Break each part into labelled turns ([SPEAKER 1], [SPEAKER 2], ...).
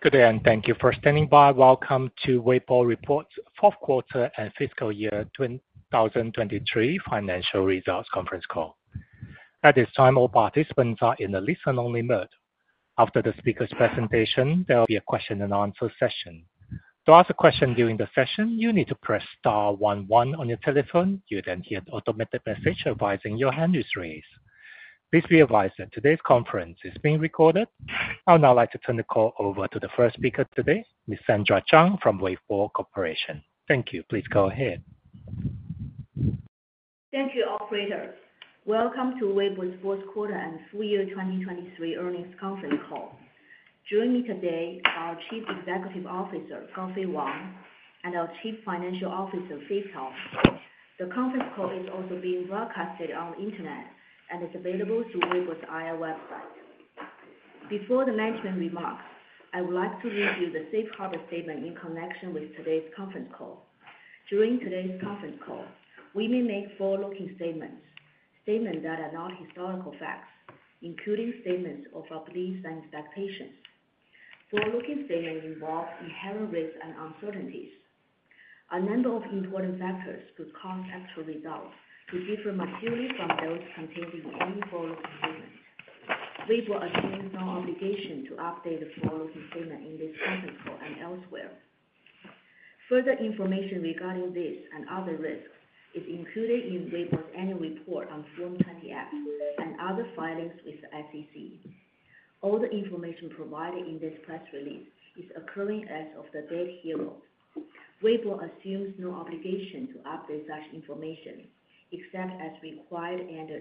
[SPEAKER 1] Good day and thank you for standing by. Welcome to Weibo Corporation's Fourth Quarter and Fiscal Year 2023 Financial Results Conference Call. At this time, all participants are in a listen-only mode. After the speaker's presentation, there will be a question-and-answer session. To ask a question during the session, you need to press star one one on your telephone. You'll then hear an automated message advising your hand is raised. Please be advised that today's conference is being recorded. I would now like to turn the call over to the first speaker today, Ms. Sandra Zhang from Weibo Corporation. Thank you. Please go ahead.
[SPEAKER 2] Thank you, operators. Welcome to Weibo's Fourth Quarter and Full Year 2023 Earnings Conference Call. Joining me today are our Chief Executive Officer, Gaofei Wang, and our Chief Financial Officer, Fei Cao. The conference call is also being broadcasted on the internet and is available through Weibo's IR website. Before the management remarks, I would like to review the safe harbor statement in connection with today's conference call. During today's conference call, we may make forward-looking statements, statements that are not historical facts, including statements of our beliefs and expectations. Forward-looking statements involve inherent risks and uncertainties. A number of important factors could cause actual results to differ materially from those contained in any forward-looking statement. Weibo assumes no obligation to update the forward-looking statement in this conference call and elsewhere. Further information regarding this and other risks is included in Weibo's annual report on Form 20-F and other filings with the SEC. All the information provided in this press release is accurate as of the date hereof. Weibo assumes no obligation to update such information except as required under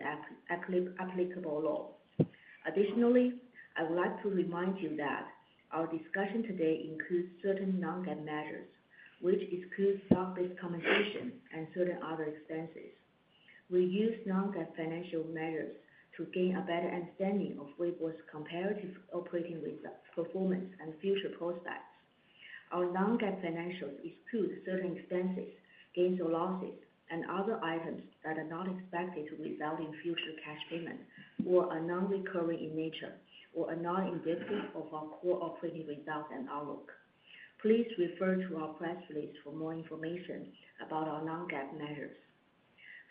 [SPEAKER 2] applicable law. Additionally, I would like to remind you that our discussion today includes certain non-GAAP measures, which exclude stock-based compensation and certain other expenses. We use non-GAAP financial measures to gain a better understanding of Weibo's comparative operating performance and future prospects. Our non-GAAP financials exclude certain expenses, gains, or losses, and other items that are not expected to result in future cash payments or are non-recurring in nature or are not indicative of our core operating results and outlook. Please refer to our press release for more information about our non-GAAP measures.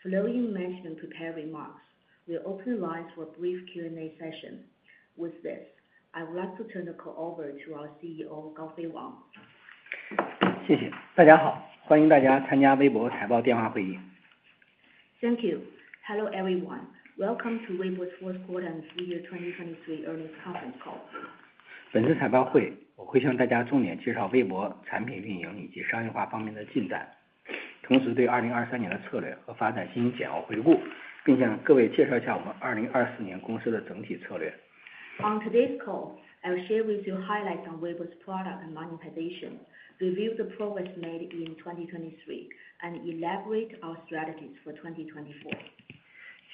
[SPEAKER 2] Following management's prepared remarks, we'll open the lines for a brief Q&A session. With this, I would like to turn the call over to our CEO, Gaofei Wang.
[SPEAKER 3] 谢谢。大家好，欢迎大家参加微博财报电话会议。
[SPEAKER 2] Thank you. Hello everyone, welcome to Weibo's fourth quarter and full year 2023 earnings conference call.
[SPEAKER 3] 本次财报会，我会向大家重点介绍微博产品运营以及商业化方面的进展，同时对2023年的策略和发展进行简要回顾，并向各位介绍一下我们2024年公司的整体策略。
[SPEAKER 2] On today's call, I will share with you highlights on Weibo's product and monetization, review the progress made in 2023, and elaborate our strategies for 2024.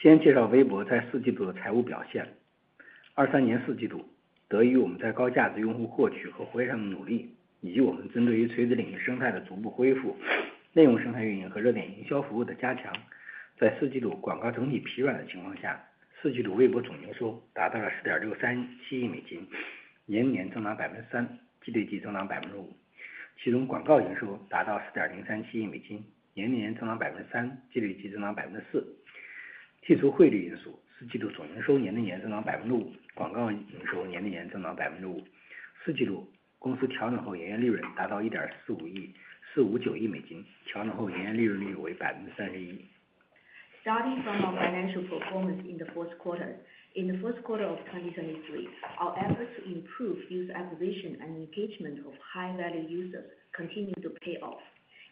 [SPEAKER 3] 先介绍微博在四季度的财务表现。23年四季度，得益于我们在高价值用户获取和回馈上的努力，以及我们针对于垂直领域生态的逐步恢复、内容生态运营和热点营销服务的加强，在四季度广告整体疲软的情况下，四季度微博总营收达到了10.637亿美金，年年增长3%，季对季增长5%。其中广告营收达到10.037亿美金，年年增长3%，季对季增长4%。剔除汇率因素，四季度总营收年年增长5%，广告营收年年增长5%。四季度公司调整后营业利润达到1.459亿美金，调整后营业利润率为31%。
[SPEAKER 2] Starting from our financial performance in the fourth quarter, in the fourth quarter of 2023, our efforts to improve user acquisition and engagement of high-value users continue to pay off.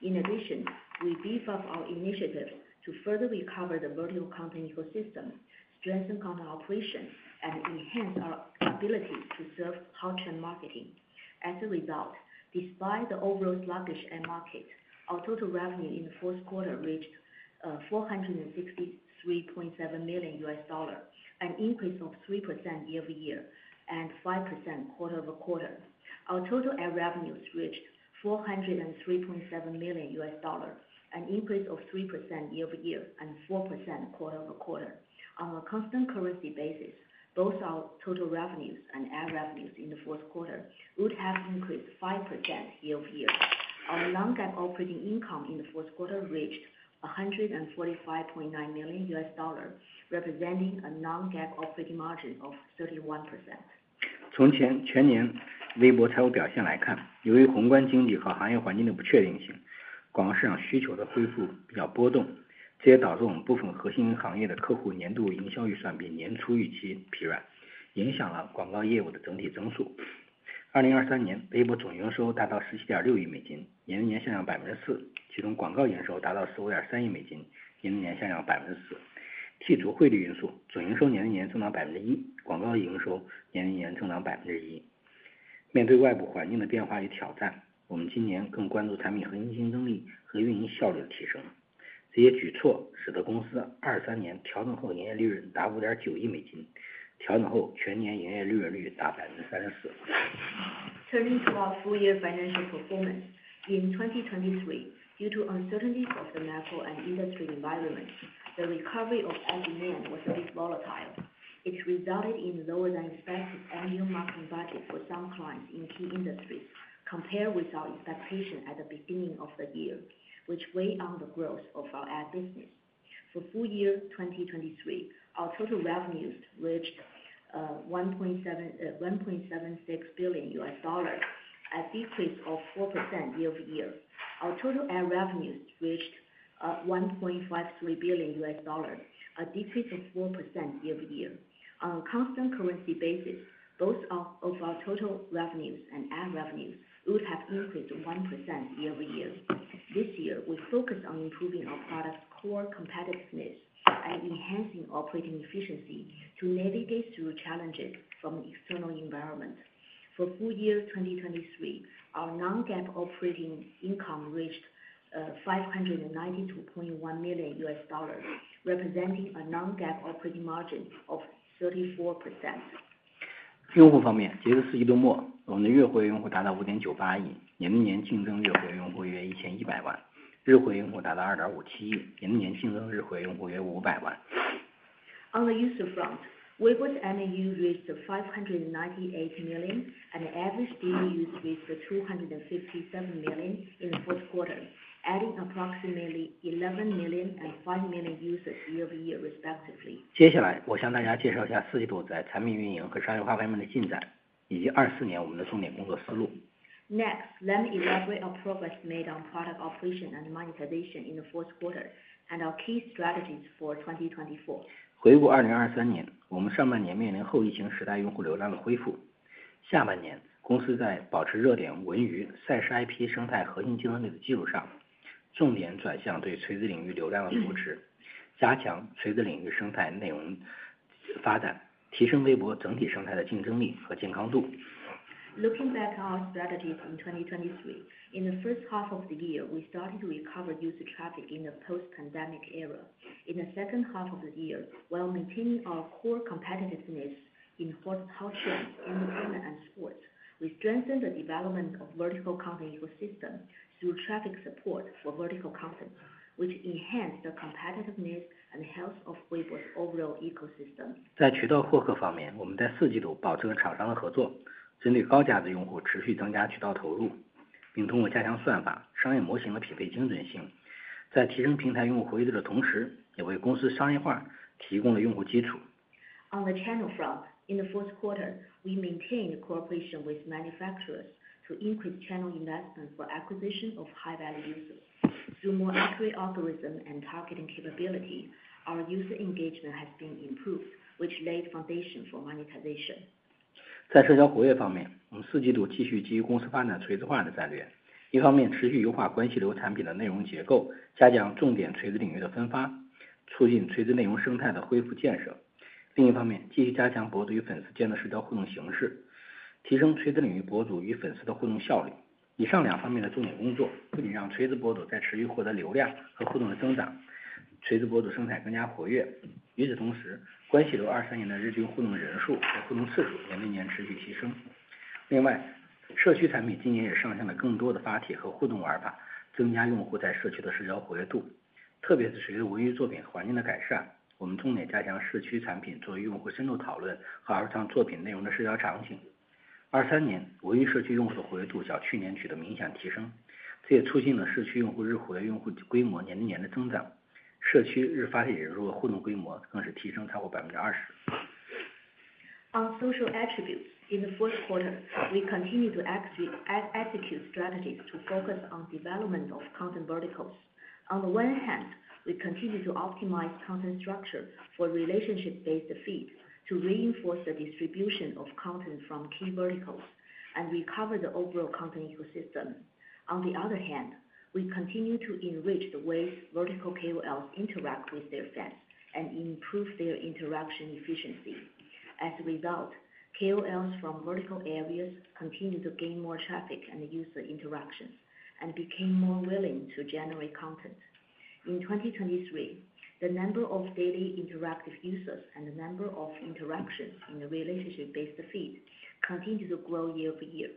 [SPEAKER 2] In addition, we beef up our initiatives to further recover the virtual content ecosystem, strengthen content operations, and enhance our ability to serve hot trend marketing. As a result, despite the overall sluggish end market, our total revenue in the fourth quarter reached $463.7 million, an increase of 3% year-over-year and 5% quarter-over-quarter. Our total ad revenues reached $403.7 million, an increase of 3% year-over-year and 4% quarter-over-quarter. On a constant currency basis, both our total revenues and ad revenues in the fourth quarter would have increased 5% year-over-year. Our non-GAAP operating income in the fourth quarter reached $145.9 million, representing a non-GAAP operating margin of 31%.
[SPEAKER 3] 从全年微博财务表现来看，由于宏观经济和行业环境的不确定性，广告市场需求的恢复比较波动，这也导致我们部分核心行业的客户年度营销预算比年初预期疲软，影响了广告业务的整体增速。2023年微博总营收达到17.6亿美金，年年下降4%，其中广告营收达到15.3亿美金，年年下降4%。剔除汇率因素，总营收年年增长1%，广告营收年年增长1%。面对外部环境的变化与挑战，我们今年更关注产品核心竞争力和运营效率的提升。这些举措使得公司23年调整后营业利润达5.9亿美金，调整后全年营业利润率达34%。
[SPEAKER 2] Turning to our full year financial performance. In 2023, due to uncertainties of the macro and industry environment, the recovery of ad demand was a bit volatile. It resulted in lower-than-expected annual marketing budgets for some clients in key industries compared with our expectation at the beginning of the year, which weighed on the growth of our ad business. For full year 2023, our total revenues reached $1.76 billion, a decrease of 4% year-over-year. Our total ad revenues reached $1.53 billion, a decrease of 4% year-over-year. On a constant currency basis, both of our total revenues and ad revenues would have increased 1% year-over-year. This year, we focus on improving our product's core competitiveness and enhancing operating efficiency to navigate through challenges from the external environment. For full year 2023, our non-GAAP operating income reached $592.1 million, representing a non-GAAP operating margin of 34%.
[SPEAKER 3] 用户方面，截至四季度末，我们的月活跃用户达到5.98亿，年年净增月活跃用户约1,100万。日活跃用户达到2.57亿，年年净增日活跃用户约500万。
[SPEAKER 2] On the user front, Weibo's MAU reached 598 million, and average daily use reached 257 million in the fourth quarter, adding approximately 11 million and 5 million users year-over-year, respectively.
[SPEAKER 3] 接下来，我向大家介绍一下四季度在产品运营和商业化方面的进展，以及24年我们的重点工作思路。
[SPEAKER 2] Next, let me elaborate our progress made on product operation and monetization in the fourth quarter and our key strategies for 2024.
[SPEAKER 3] 回顾2023年，我们上半年面临后疫情时代用户流量的恢复。下半年，公司在保持热点文娱、赛事IP生态核心竞争力的基础上，重点转向对垂直领域流量的扶持，加强垂直领域生态内容发展，提升微博整体生态的竞争力和健康度。
[SPEAKER 2] Looking back on our strategies in 2023, in the first half of the year, we started to recover user traffic in the post-pandemic era. In the second half of the year, while maintaining our core competitiveness in hot trends in entertainment and sports, we strengthened the development of vertical content ecosystems through traffic support for vertical content, which enhanced the competitiveness and health of Weibo's overall ecosystem.
[SPEAKER 3] 在渠道获客方面，我们在四季度保持了厂商的合作，针对高价值用户持续增加渠道投入，并通过加强算法、商业模型的匹配精准性，在提升平台用户回馈的同时，也为公司商业化提供了用户基础。
[SPEAKER 2] On the channel front, in the fourth quarter, we maintained cooperation with manufacturers to increase channel investment for acquisition of high-value users. Through more accurate algorithm and targeting capability, our user engagement has been improved, which laid foundation for monetization. On social attributes, in the fourth quarter, we continue to execute strategies to focus on development of content verticals. On the one hand, we continue to optimize content structure for relationship-based feeds to reinforce the distribution of content from key verticals and recover the overall content ecosystem. On the other hand, we continue to enrich the ways vertical KOLs interact with their fans and improve their interaction efficiency. As a result, KOLs from vertical areas continue to gain more traffic and user interactions and became more willing to generate content. In 2023, the number of daily interactive users and the number of interactions in the relationship-based feed continued to grow year-over-year.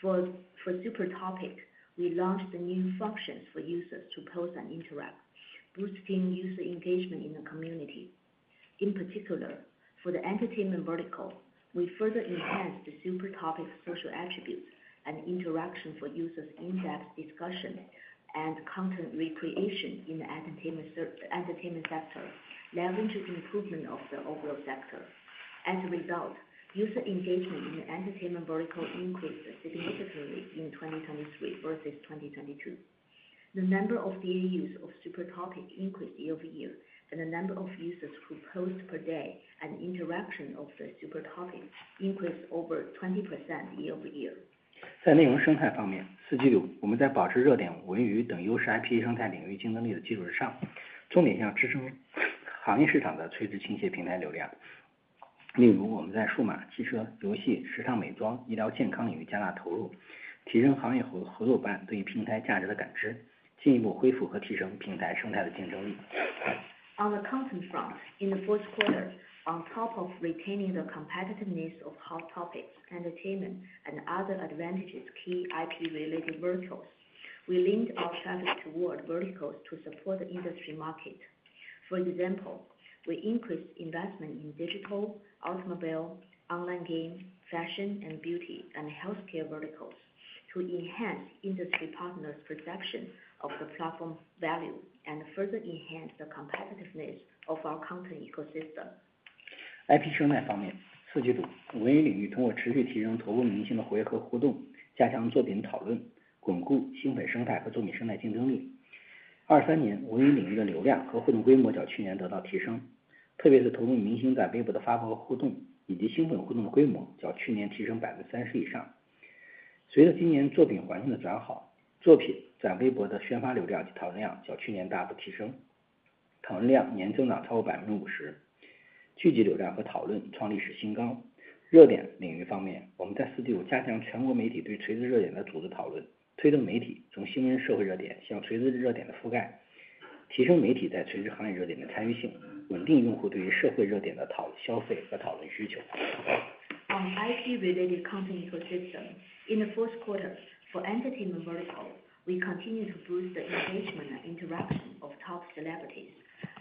[SPEAKER 2] For Super Topic, we launched new functions for users to post and interact, boosting user engagement in the community. In particular, for the entertainment vertical, we further enhanced the Super Topic social attributes and interaction for users' in-depth discussion and content recreation in the entertainment sector, leveraging improvement of the overall sector. As a result, user engagement in the entertainment vertical increased significantly in 2023 versus 2022. The number of daily use of Super Topic increased year-over-year, and the number of users who post per day and interaction of the Super Topic increased over 20% year-over-year.
[SPEAKER 3] 在内容生态方面，四季度我们在保持热点文娱等优势IP生态领域竞争力的基础之上，重点向支撑行业市场的垂直倾斜平台流量。例如，我们在数码、汽车、游戏、时尚美妆、医疗健康领域加大投入，提升行业合作伙伴对平台价值的感知，进一步恢复和提升平台生态的竞争力。
[SPEAKER 2] On the content front, in the fourth quarter, on top of retaining the competitiveness of hot topics, entertainment, and other advantages key IP-related verticals, we leaned our traffic toward verticals to support the industry market. For example, we increased investment in digital, automobile, online game, fashion and beauty, and healthcare verticals to enhance industry partners' perception of the platform value and further enhance the competitiveness of our content ecosystem. On IP-related content ecosystem, in the fourth quarter, for entertainment vertical, we continue to boost the engagement and interaction of top celebrities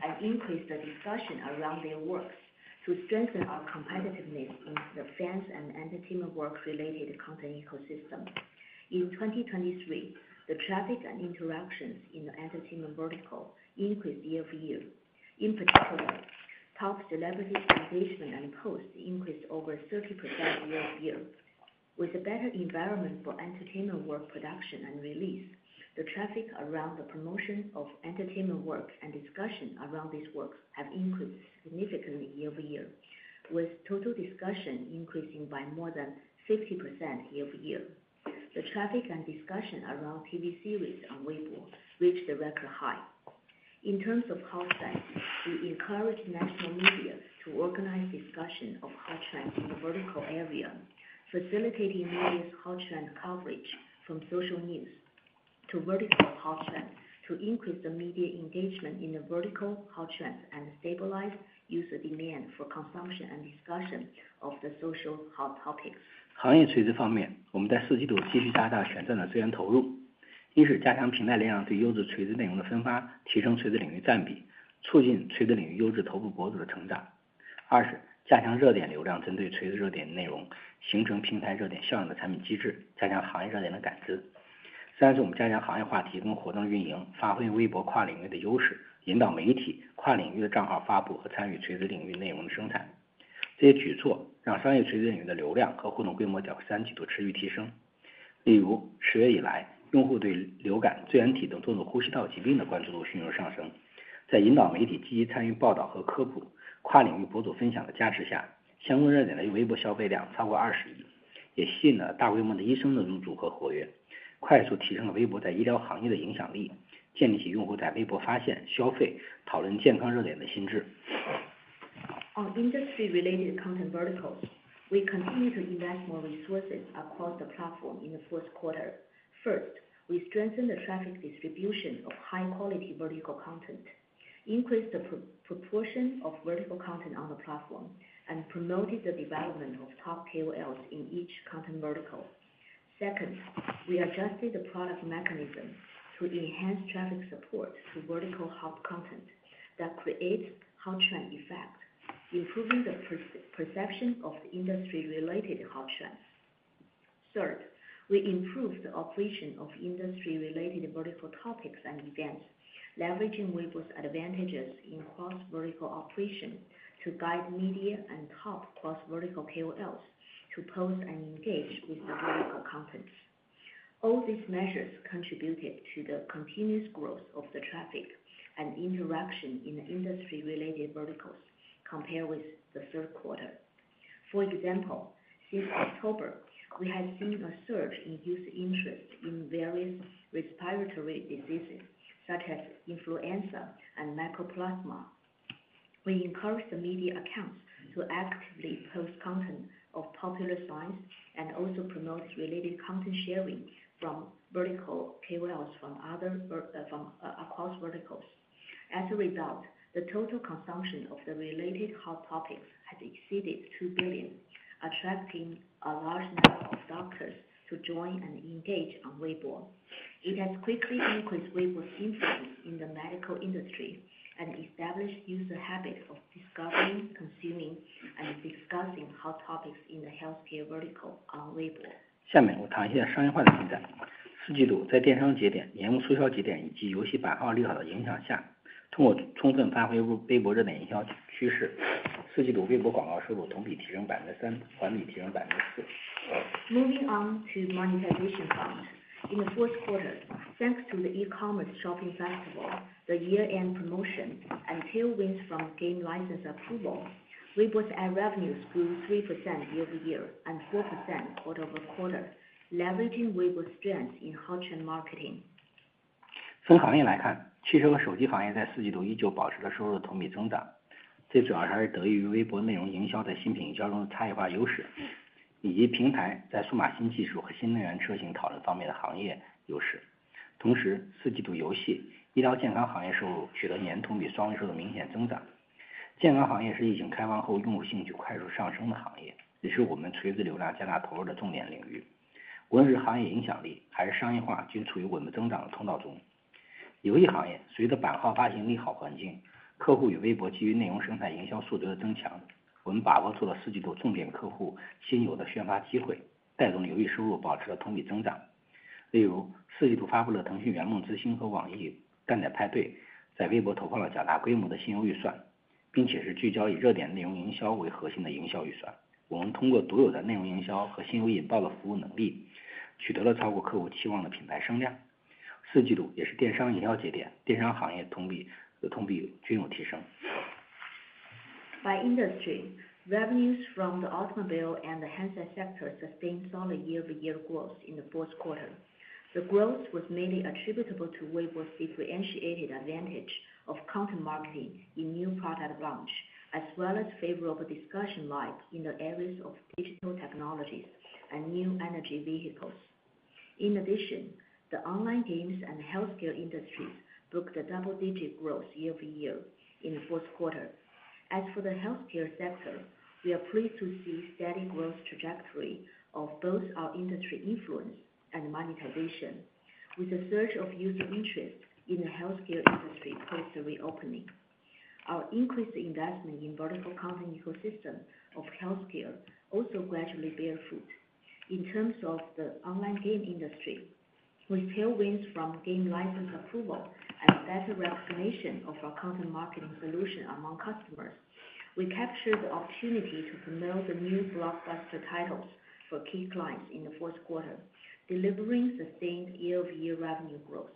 [SPEAKER 2] and increase the discussion around their works to strengthen our competitiveness in the fans and entertainment work-related content ecosystem. In 2023, the traffic and interactions in the entertainment vertical increased year-over-year. In particular, top celebrities' engagement and posts increased over 30% year-over-year. With a better environment for entertainment work production and release, the traffic around the promotion of entertainment work and discussion around these works have increased significantly year-over-year, with total discussion increasing by more than 50% year-over-year. The traffic and discussion around TV series on Weibo reached a record high. In terms of hot trends, we encourage national media to organize discussion of hot trends in the vertical area, facilitating media's hot trend coverage from social news to vertical hot trends to increase the media engagement in the vertical hot trends and stabilize user demand for consumption and discussion of the social hot topics. On industry-related content verticals, we continue to invest more resources across the platform in the fourth quarter. First, we strengthened the traffic distribution of high-quality vertical content, increased the proportion of vertical content on the platform, and promoted the development of top KOLs in each content vertical. Second, we adjusted the product mechanism to enhance traffic support to vertical hot content that creates hot trend effect, improving the perception of the industry-related hot trends. Third, we improved the operation of industry-related vertical topics and events, leveraging Weibo's advantages in cross-vertical operation to guide media and top cross-vertical KOLs to post and engage with the vertical contents. All these measures contributed to the continuous growth of the traffic and interaction in the industry-related verticals compared with the third quarter. For example, since October, we have seen a surge in user interest in various respiratory diseases such as influenza and mycoplasma. We encourage the media accounts to actively post content of popular science and also promote related content sharing from vertical KOLs from across verticals. As a result, the total consumption of the related hot topics has exceeded 2 billion, attracting a large number of doctors to join and engage on Weibo. It has quickly increased Weibo's influence in the medical industry and established user habits of discovering, consuming, and discussing hot topics in the healthcare vertical on Weibo.
[SPEAKER 3] 下面我谈一下商业化的进展。四季度在电商节点、年末促销节点以及游戏版2立好的影响下，通过充分发挥微博热点营销趋势，四季度微博广告收入同比提升3%，环比提升4%。
[SPEAKER 2] Moving on to monetization front. In the fourth quarter, thanks to the e-commerce shopping festival, the year-end promotion, and tailwinds from game license approval, Weibo's ad revenues grew 3% year-over-year and 4% quarter-over-quarter, leveraging Weibo's strengths in hot trend marketing. By industry, revenues from the automobile and the handset sector sustained solid year-over-year growth in the fourth quarter. The growth was mainly attributable to Weibo's differentiated advantage of content marketing in new product launch, as well as favorable discussion vibe in the areas of digital technologies and new energy vehicles. In addition, the online games and healthcare industries booked a double-digit growth year-over-year in the fourth quarter. As for the healthcare sector, we are pleased to see a steady growth trajectory of both our industry influence and monetization, with a surge of user interest in the healthcare industry post-reopening. Our increased investment in the vertical content ecosystem of healthcare also gradually bore fruit. In terms of the online game industry, with tailwinds from game license approval and better recognition of our content marketing solution among customers, we captured the opportunity to promote the new blockbuster titles for key clients in the fourth quarter, delivering sustained year-over-year revenue growth.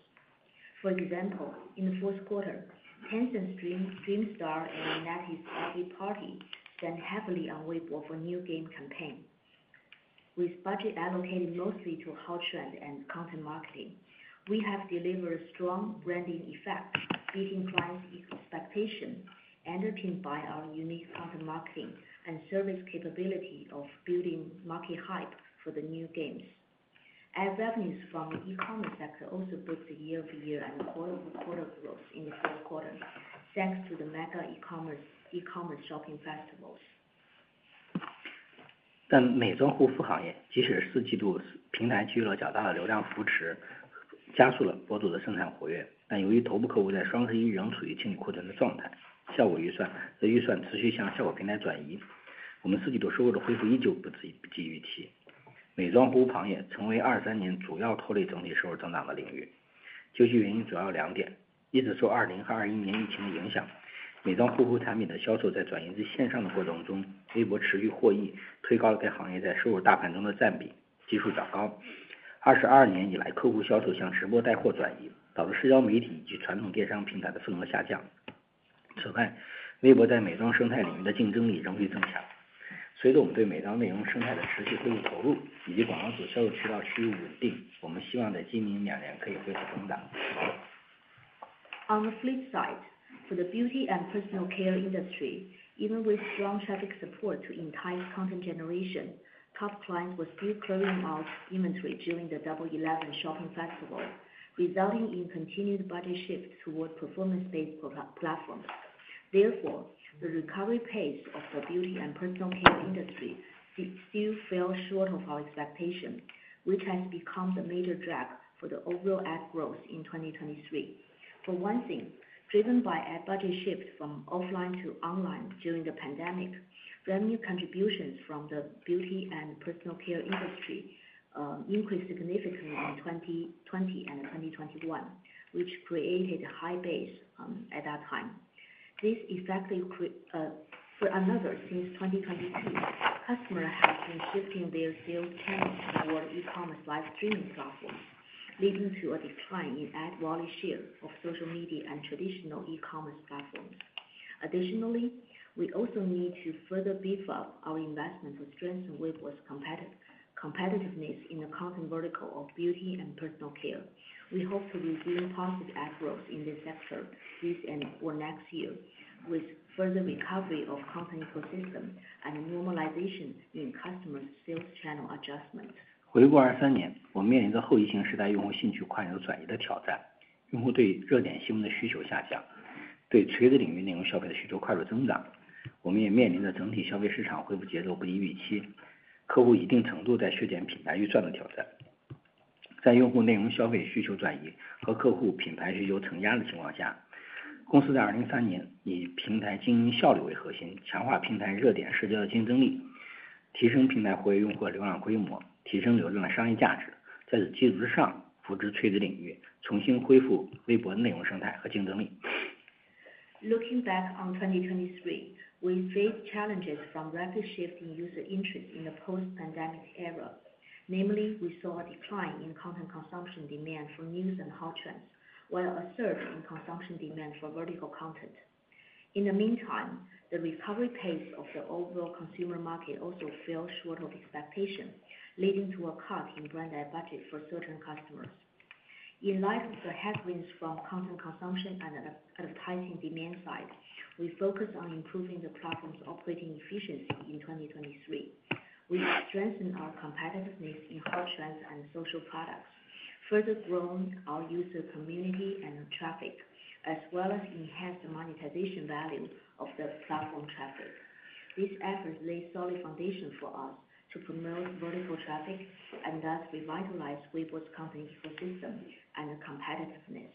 [SPEAKER 2] For example, in the fourth quarter, Tencent's DreamStar and NetEase Eggy Party spent heavily on Weibo for a new game campaign. With budget allocated mostly to hot trend and content marketing, we have delivered a strong branding effect, beating clients' expectations, entertained by our unique content marketing and service capability of building market hype for the new games. Ad revenues from the e-commerce sector also booked year-over-year and quarter-over-quarter growth in the fourth quarter, thanks to the mega e-commerce shopping festivals.
[SPEAKER 3] 但美妆护肤行业即使四季度平台给予了较大的流量扶持，加速了博主的生产活跃，但由于头部客户在双十一仍处于清理库存的状态，效果预算持续向效果平台转移。我们四季度收入的恢复依旧不及预期。美妆护肤行业成为23年主要拖累整体收入增长的领域。究其原因主要有两点：一是受20和21年疫情的影响，美妆护肤产品的销售在转移至线上的过程中，微博持续获益，推高了该行业在收入大盘中的占比，基数较高；二是22年以来客户销售向直播带货转移，导致社交媒体以及传统电商平台的份额下降。此外，微博在美妆生态领域的竞争力仍需增强。随着我们对美妆内容生态的持续恢复投入，以及广告组销售渠道趋于稳定，我们希望在今明两年可以恢复增长。
[SPEAKER 2] On the flip side, for the beauty and personal care industry, even with strong traffic support to entice content generation, top clients were still clearing out inventory during the Double Eleven Shopping Festival, resulting in continued budget shifts toward performance-based platforms. Therefore, the recovery pace of the beauty and personal care industry still fell short of our expectations, which has become the major drag for the overall ad growth in 2023. For one thing, driven by ad budget shifts from offline to online during the pandemic, revenue contributions from the beauty and personal care industry increased significantly in 2020 and 2021, which created a high base at that time. This effectively created, for another, since 2022, customers have been shifting their sales channels toward e-commerce live streaming platforms, leading to a decline in ad volume share of social media and traditional e-commerce platforms. Additionally, we also need to further beef up our investment to strengthen Weibo's competitiveness in the content vertical of beauty and personal care. We hope to redeem positive ad growth in this sector this and/or next year, with further recovery of the content ecosystem and normalization in customers' sales channel adjustments.
[SPEAKER 3] 回顾23年，我们面临着后疫情时代用户兴趣快速转移的挑战，用户对热点新闻的需求下降，对垂直领域内容消费的需求快速增长。我们也面临着整体消费市场恢复节奏不及预期，客户一定程度在削减品牌预算的挑战。在用户内容消费需求转移和客户品牌需求承压的情况下，公司在2023年以平台经营效率为核心，强化平台热点社交的竞争力，提升平台活跃用户的流量规模，提升流量的商业价值。在此基础之上，扶植垂直领域，重新恢复微博的内容生态和竞争力。
[SPEAKER 2] Looking back on 2023, we faced challenges from rapid shifts in user interest in the post-pandemic era. Namely, we saw a decline in content consumption demand for news and hot trends, while a surge in consumption demand for vertical content. In the meantime, the recovery pace of the overall consumer market also fell short of expectations, leading to a cut in brand ad budget for certain customers. In light of the headwinds from content consumption and advertising demand side, we focused on improving the platform's operating efficiency in 2023. We strengthened our competitiveness in hot trends and social products, further growing our user community and traffic, as well as enhanced the monetization value of the platform traffic. These efforts laid a solid foundation for us to promote vertical traffic and thus revitalize Weibo's content ecosystem and competitiveness.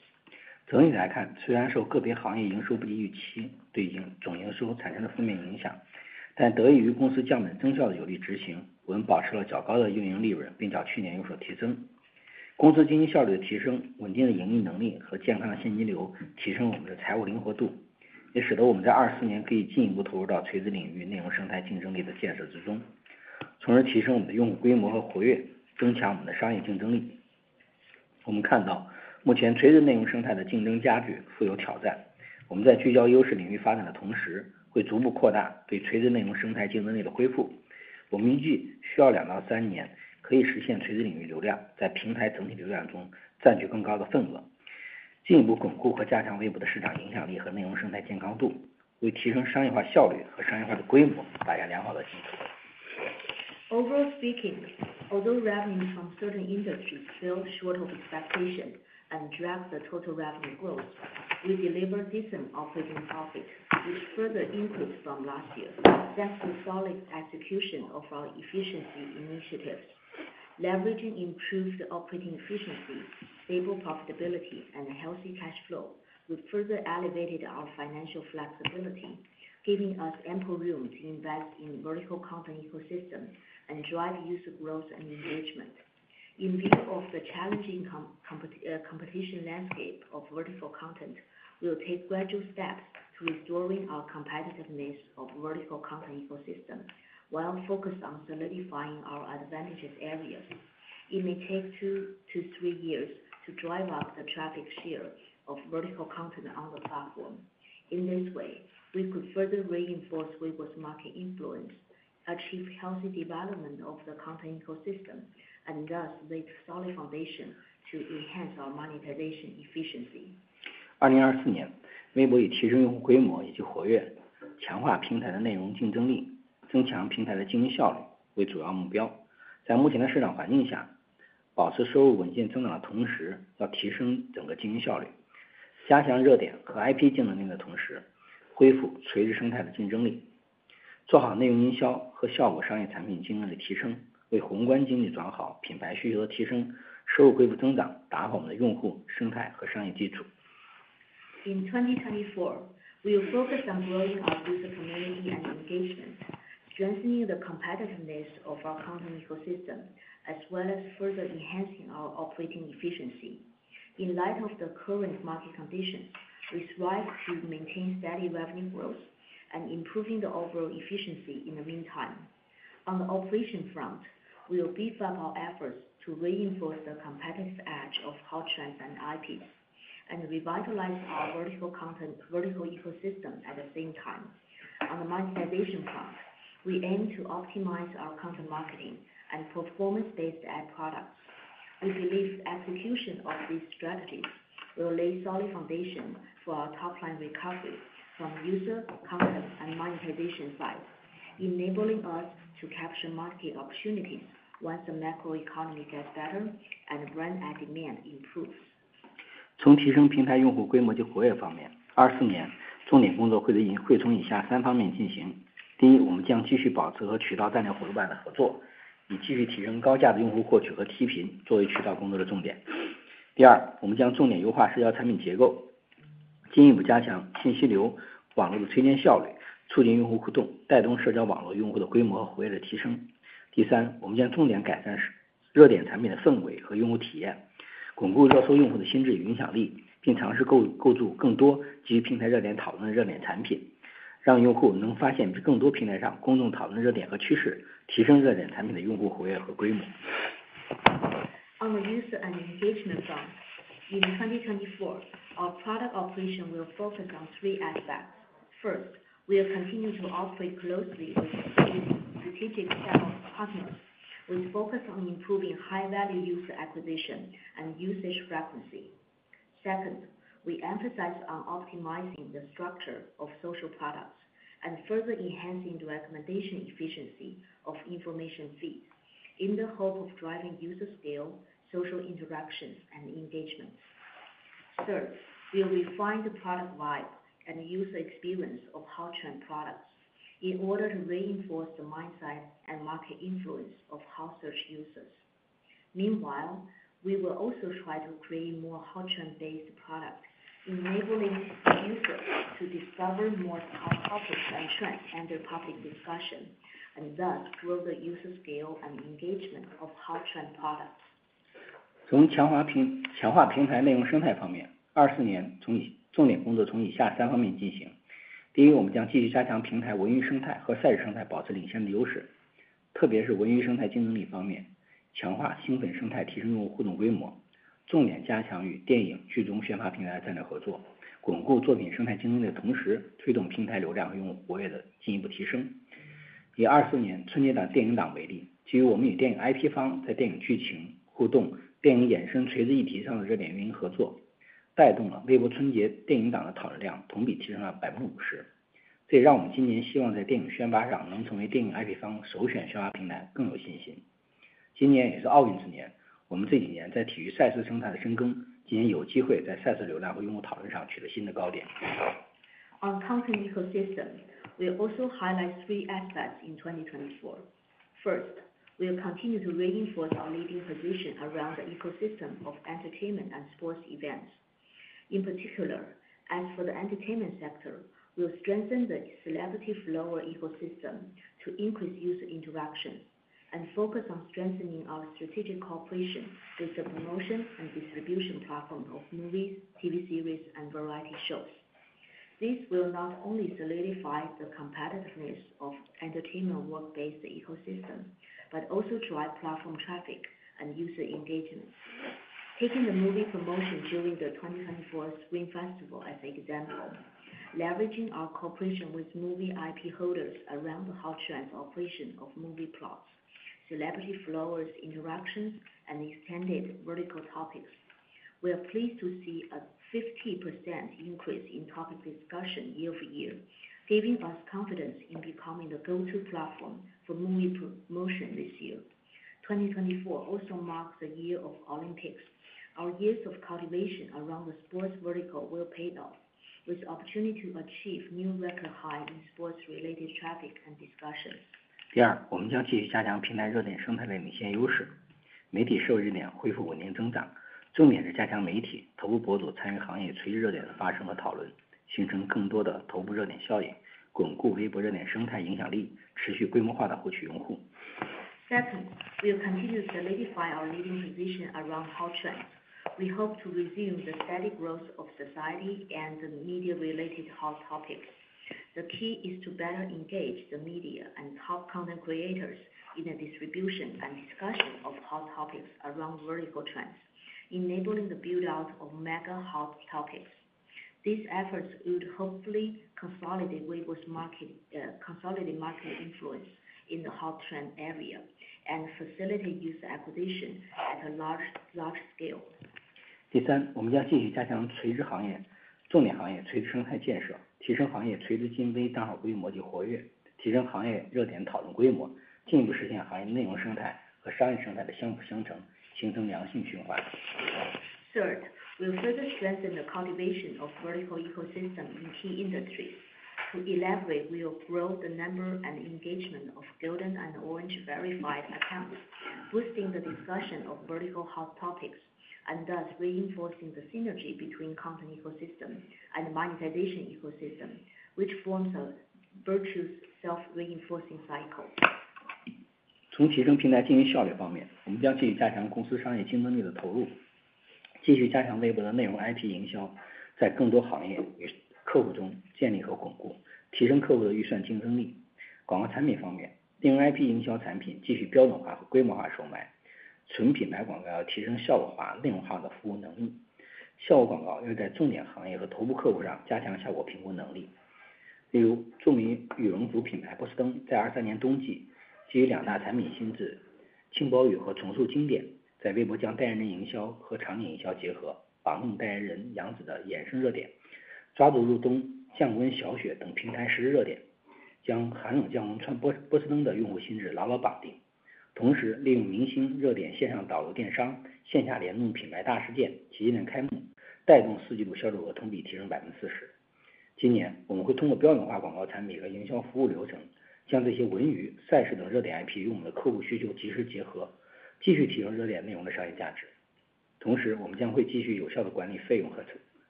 [SPEAKER 2] Overall speaking, although revenues from certain industries fell short of expectations and dragged the total revenue growth, we delivered decent operating profit, which further increased from last year, thanks to solid execution of our efficiency initiatives. Leveraging improved operating efficiency, stable profitability, and healthy cash flow, we further elevated our financial flexibility, giving us ample room to invest in the vertical content ecosystem and drive user growth and engagement. In view of the challenging competition landscape of vertical content, we will take gradual steps to restoring our competitiveness of the vertical content ecosystem, while focusing on solidifying our advantages areas. It may take two to three years to drive up the traffic share of vertical content on the platform. In this way, we could further reinforce Weibo's market influence, achieve healthy development of the content ecosystem, and thus lay a solid foundation to enhance our monetization efficiency.
[SPEAKER 3] 二零二四年，微博以提升用户规模以及活跃，强化平台的内容竞争力，增强平台的经营效率为主要目标。在目前的市场环境下，保持收入稳健增长的同时要提升整个经营效率，加强热点和IP竞争力的同时，恢复垂直生态的竞争力。做好内容营销和效果商业产品竞争力提升，为宏观经济转好、品牌需求的提升、收入恢复增长打好我们的用户生态和商业基础。
[SPEAKER 2] In 2024, we will focus on growing our user community and engagement, strengthening the competitiveness of our content ecosystem, as well as further enhancing our operating efficiency. In light of the current market conditions, we strive to maintain steady revenue growth and improve the overall efficiency in the meantime. On the operation front, we will beef up our efforts to reinforce the competitive edge of hot trends and IPs, and revitalize our vertical content vertical ecosystem at the same time. On the monetization front, we aim to optimize our content marketing and performance-based ad products. We believe the execution of these strategies will lay a solid foundation for our top-line recovery from the user, content, and monetization side, enabling us to capture market opportunities once the macroeconomy gets better and brand ad demand improves.
[SPEAKER 3] 从提升平台用户规模及活跃方面，24年重点工作会从以下三方面进行：第一，我们将继续保持和渠道战略伙伴的合作，以继续提升高价的用户获取和批评作为渠道工作的重点；第二，我们将重点优化社交产品结构，进一步加强信息流网络的推荐效率，促进用户互动，带动社交网络用户的规模和活跃的提升；第三，我们将重点改善热点产品的氛围和用户体验，巩固热搜用户的心智与影响力，并尝试购购入更多基于平台热点讨论的热点产品，让用户能发现更多平台上公众讨论的热点和趋势，提升热点产品的用户活跃和规模。
[SPEAKER 2] On the user and engagement front, in 2024, our product operation will focus on three aspects. First, we will continue to operate closely with strategic sales partners, with focus on improving high-value user acquisition and usage frequency. Second, we emphasize on optimizing the structure of social products and further enhancing the recommendation efficiency of information feeds, in the hope of driving user scale, social interactions, and engagement. Third, we will refine the product vibe and user experience of hot trend products in order to reinforce the mindset and market influence of hot search users. Meanwhile, we will also try to create more hot trend-based products, enabling users to discover more hot topics and trends under public discussion, and thus grow the user scale and engagement of hot trend products. On content ecosystem, we also highlight three aspects in 2024. First, we will continue to reinforce our leading position around the ecosystem of entertainment and sports events. In particular, as for the entertainment sector, we will strengthen the celebrity follower ecosystem to increase user interactions, and focus on strengthening our strategic cooperation with the promotion and distribution platform of movies, TV series, and variety shows. This will not only solidify the competitiveness of the entertainment work-based ecosystem, but also drive platform traffic and user engagement. Taking the movie promotion during the 2024 Spring Festival as an example, leveraging our cooperation with movie IP holders around the hot trends operation of movie plots, celebrity followers interactions, and extended vertical topics, we are pleased to see a 50% increase in topic discussion year-over-year, giving us confidence in becoming the go-to platform for movie promotion this year. 2024 also marks the year of Olympics. Our years of cultivation around the sports vertical will pay off, with the opportunity to achieve new record highs in sports-related traffic and discussions.
[SPEAKER 3] 第二，我们将继续加强平台热点生态的领先优势，媒体受热点恢复稳定增长，重点是加强媒体、头部博主参与行业垂直热点的发生和讨论，形成更多的头部热点效应，巩固微博热点生态影响力，持续规模化地获取用户。
[SPEAKER 2] Second, we will continue to solidify our leading position around hot trends. We hope to redeem the steady growth of society and the media-related hot topics. The key is to better engage the media and top content creators in the distribution and discussion of hot topics around vertical trends, enabling the build-out of mega hot topics. These efforts would hopefully consolidate Weibo's marketing influence in the hot trend area and facilitate user acquisition at a large scale.
[SPEAKER 3] 第三，我们将继续加强垂直行业、重点行业垂直生态建设，提升行业垂直竞争力账号规模及活跃，提升行业热点讨论规模，进一步实现行业内容生态和商业生态的相辅相成，形成良性循环。
[SPEAKER 2] Third, we will further strengthen the cultivation of vertical ecosystem in key industries. To elaborate, we will grow the number and engagement of golden and orange verified accounts, boosting the discussion of vertical hot topics, and thus reinforcing the synergy between the content ecosystem and the monetization ecosystem, which forms a virtuous self-reinforcing cycle.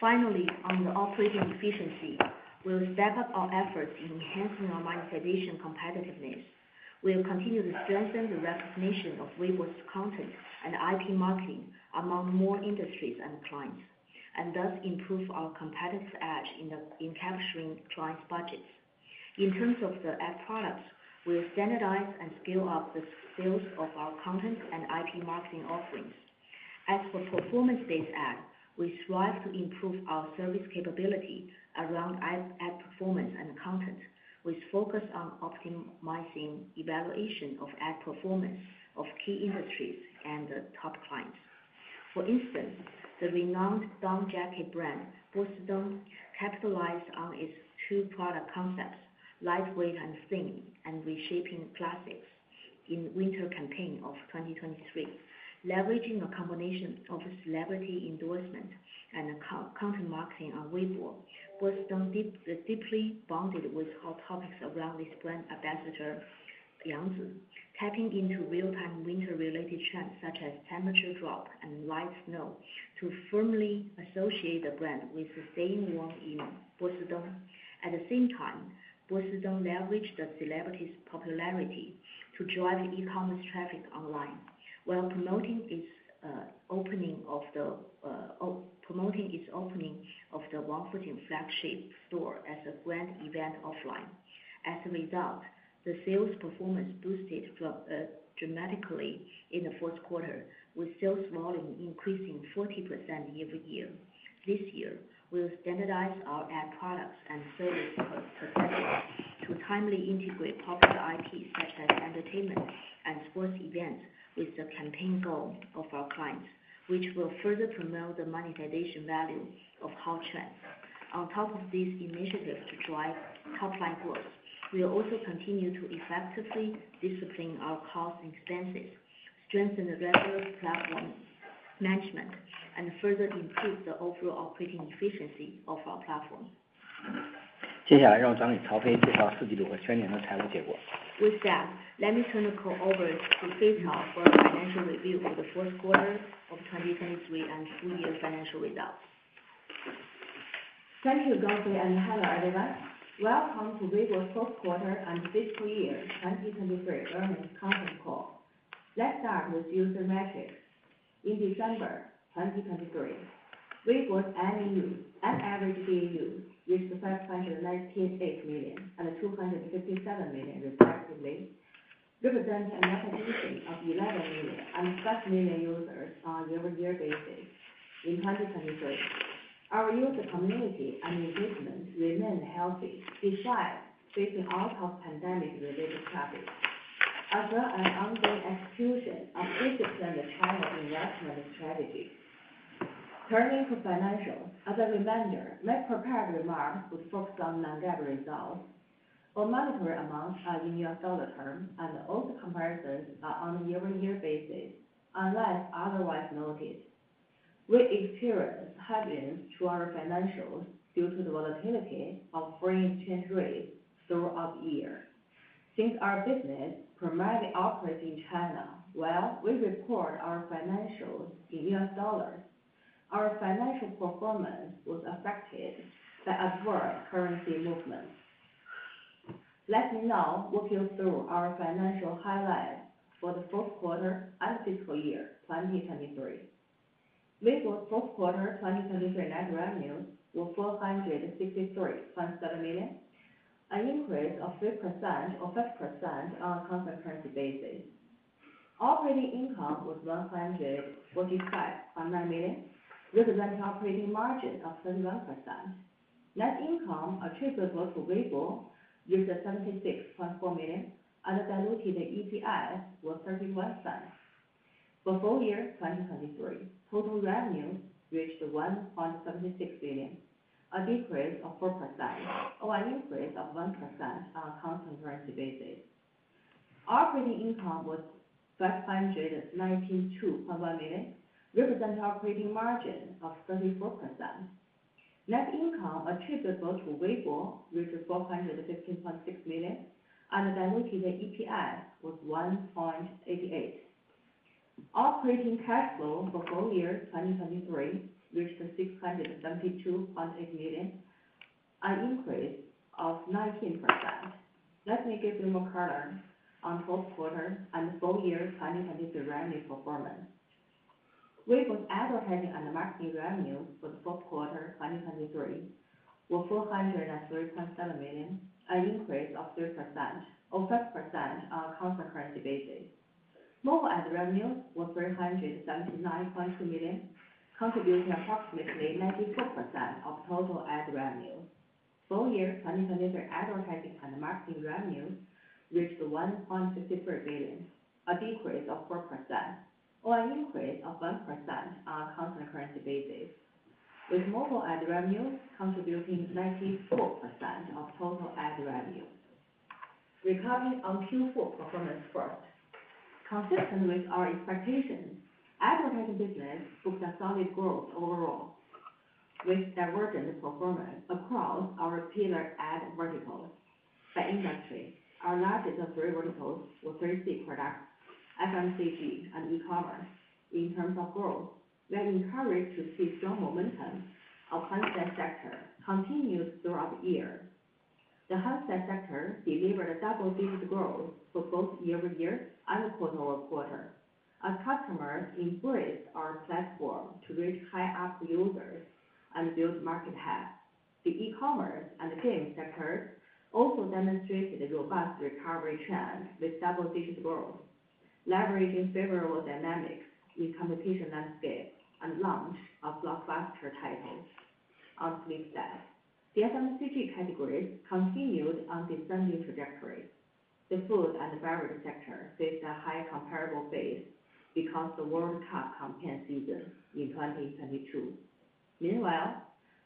[SPEAKER 2] Finally, on the operating efficiency, we will step up our efforts in enhancing our monetization competitiveness. We will continue to strengthen the recognition of Weibo's content and IP marketing among more industries and clients, and thus improve our competitive edge in capturing clients' budgets. In terms of the ad products, we will standardize and scale up the sales of our content and IP marketing offerings. As for performance-based ad, we strive to improve our service capability around ad performance and content, with focus on optimizing evaluation of ad performance of key industries and top clients. For instance, the renowned down jacket brand Bosideng capitalized on its two product concepts: lightweight and thin, and reshaping classics in the winter campaign of 2023. Leveraging a combination of celebrity endorsement and content marketing on Weibo, Bosideng deeply bonded with hot topics around this brand ambassador, Yang Zi, tapping into real-time winter-related trends such as temperature drop and light snow to firmly associate the brand with staying warm in Bosideng. At the same time, Bosideng leveraged the celebrity's popularity to drive e-commerce traffic online, while promoting its opening of the Wangfujing flagship store as a grand event offline. As a result, the sales performance boosted dramatically in the fourth quarter, with sales volume increasing 40% year-over-year. This year, we will standardize our ad products and service processes to timely integrate popular IPs such as entertainment and sports events with the campaign goals of our clients, which will further promote the monetization value of hot trends. On top of this initiative to drive top-line growth, we will also continue to effectively discipline our costs and expenses, strengthen the regular platform management, and further improve the overall operating efficiency of our platform.
[SPEAKER 3] 接下来让我找你，曹飞，介绍四季度和全年的财务结果。
[SPEAKER 2] With that, let me turn the call over to Fei Cao for a financial review of the fourth quarter of 2023 and full-year financial results. Thank you, Gaofei, and hello, everyone. Welcome to Weibo's fourth quarter and full-year 2023 earnings conference call. Let's start with user metrics. In December 2023, Weibo's MAU, average DAU, reached 519.8 million and 257 million, respectively, representing a net addition of 11 million and 5 million users on a year-over-year basis in 2023. Our user community and engagement remain healthy despite facing out-of-pandemic-related traffic, as well as ongoing execution of 50% trial investment strategies. Turning to financials, as a reminder, my prepared remarks would focus on non-GAAP results. All monetary amounts are in US dollar terms, and all the comparisons are on a year-over-year basis, unless otherwise noted. We experience headwinds to our financials due to the volatility of foreign exchange rates throughout the year. Since our business primarily operates in China, while we report our financials in US dollars, our financial performance was affected by adverse currency movements. Let me now walk you through our financial highlights for the fourth quarter and fiscal year 2023. Weibo's fourth quarter 2023 net revenues were $463.7 million, an increase of 5% on a constant currency basis. Operating income was $145.9 million, representing an operating margin of 31%. Net income attributable to Weibo reached $76.4 million, and the diluted EPS was $0.31. For full year 2023, total revenues reached $1.76 million, a decrease of 4%, or an increase of 1% on a constant currency basis. Operating income was $592.1 million, representing an operating margin of 34%. Net income attributable to Weibo reached $415.6 million, and the diluted EPS was $1.88. Operating cash flow for full year 2023 reached $672.8 million, an increase of 19%. Let me give you more color on fourth quarter and full year 2023 revenue performance. Weibo's advertising and marketing revenues for the fourth quarter 2023 were $403.7 million, an increase of 3%, or 5% on a constant currency basis. Mobile ad revenues were $379.2 million, contributing approximately 94% of total ad revenue. Full year 2023 advertising and marketing revenues reached $1.53 billion, a decrease of 4%, or an increase of 1% on a constant currency basis, with mobile ad revenues contributing 94% of total ad revenue. Recovering on Q4 performance first. Consistent with our expectations, advertising business booked a solid growth overall, with divergent performance across our pillar ad verticals. By industry, our largest of three verticals were 3C products, FMCG, and e-commerce. In terms of growth, we are encouraged to see strong momentum of the handset sector continued throughout the year. The auto sector delivered double-digit growth for both year-over-year and quarter-over-quarter, as customers embraced our platform to reach high-value users and build market share. The e-commerce and the game sectors also demonstrated a robust recovery trend with double-digit growth, leveraging favorable dynamics in the competition landscape and launch of blockbuster titles. On sales side, the FMCG category continued on a descending trajectory. The food and the beverage sector faced a high comparable base because of the World Cup campaign season in 2022. Meanwhile,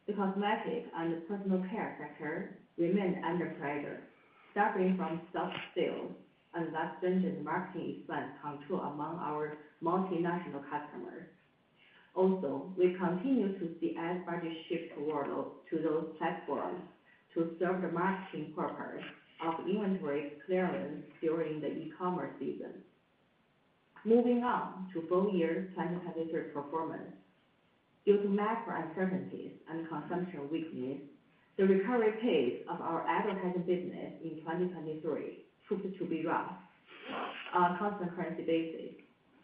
[SPEAKER 2] the cosmetic and personal care sector remained under pressure, suffering from soft sales and less stringent marketing expense control among our multinational customers. Also, we continue to see ad budgets shift toward those platforms to serve the marketing purpose of inventory clearance during the e-commerce season. Moving on to full year 2023 performance. Due to macro uncertainties and consumption weakness, the recovery pace of our advertising business in 2023 proved to be rough on a constant currency basis.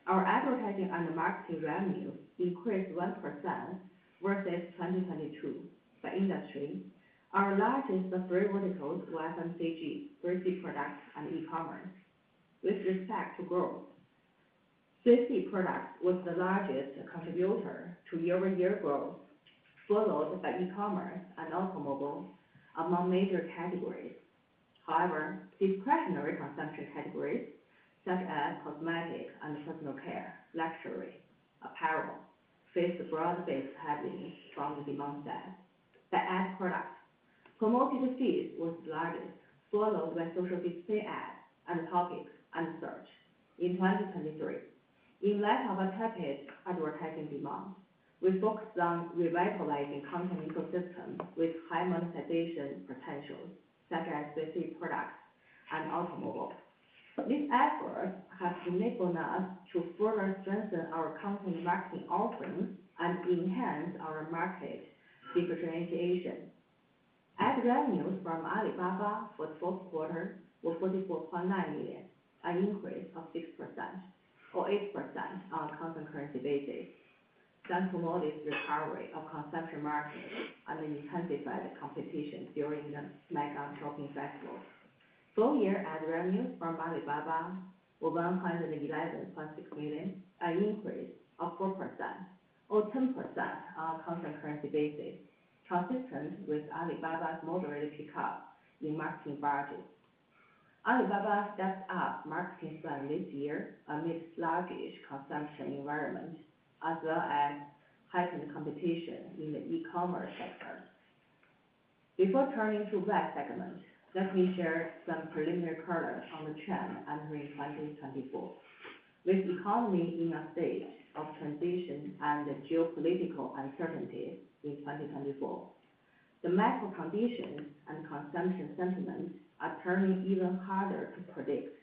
[SPEAKER 2] Our advertising and marketing revenues increased 1% versus 2022. By industry, our largest of three verticals were FMCG, 3C products, and e-commerce. With respect to growth, 3C products were the largest contributor to year-over-year growth, followed by e-commerce and automobile among major categories. However, discretionary consumption categories such as cosmetic and personal care, luxury, apparel faced broad-based heaviness from the demand side. By ad products, promoted feeds were the largest, followed by social display ads and topics and search in 2023. In light of a tepid advertising demand, we focused on revitalizing the content ecosystem with high monetization potential such as 3C products and automobile. These efforts have enabled us to further strengthen our content marketing offerings and enhance our market differentiation. Ad revenues from Alibaba for the fourth quarter were $44.9 million, an increase of 6%, or 8% on a constant currency basis, that promoted recovery of consumption markets and the intensified competition during the mega shopping festival. Full year ad revenues from Alibaba were $111.6 million, an increase of 4%, or 10% on a constant currency basis, consistent with Alibaba's moderate pickup in marketing budgets. Alibaba stepped up marketing spend this year amidst a sluggish consumption environment, as well as heightened competition in the e-commerce sector. Before turning to the VAS segment, let me share some preliminary color on the trend entering 2024. With the economy in a stage of transition and geopolitical uncertainty in 2024, the macro conditions and consumption sentiment are turning even harder to predict.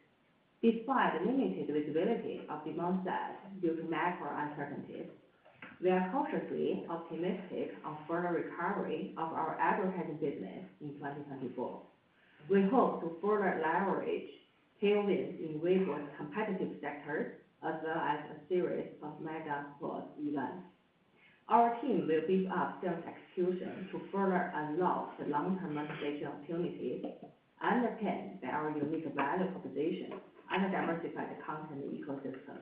[SPEAKER 2] Despite the limited visibility of demand stats due to macro uncertainties, we are cautiously optimistic on further recovery of our advertising business in 2024. We hope to further leverage tailwinds in Weibo's competitive sectors, as well as a series of mega sports events. Our team will beef up sales execution to further unlock the long-term monetization opportunities underpinned by our unique value proposition and diversified content ecosystem.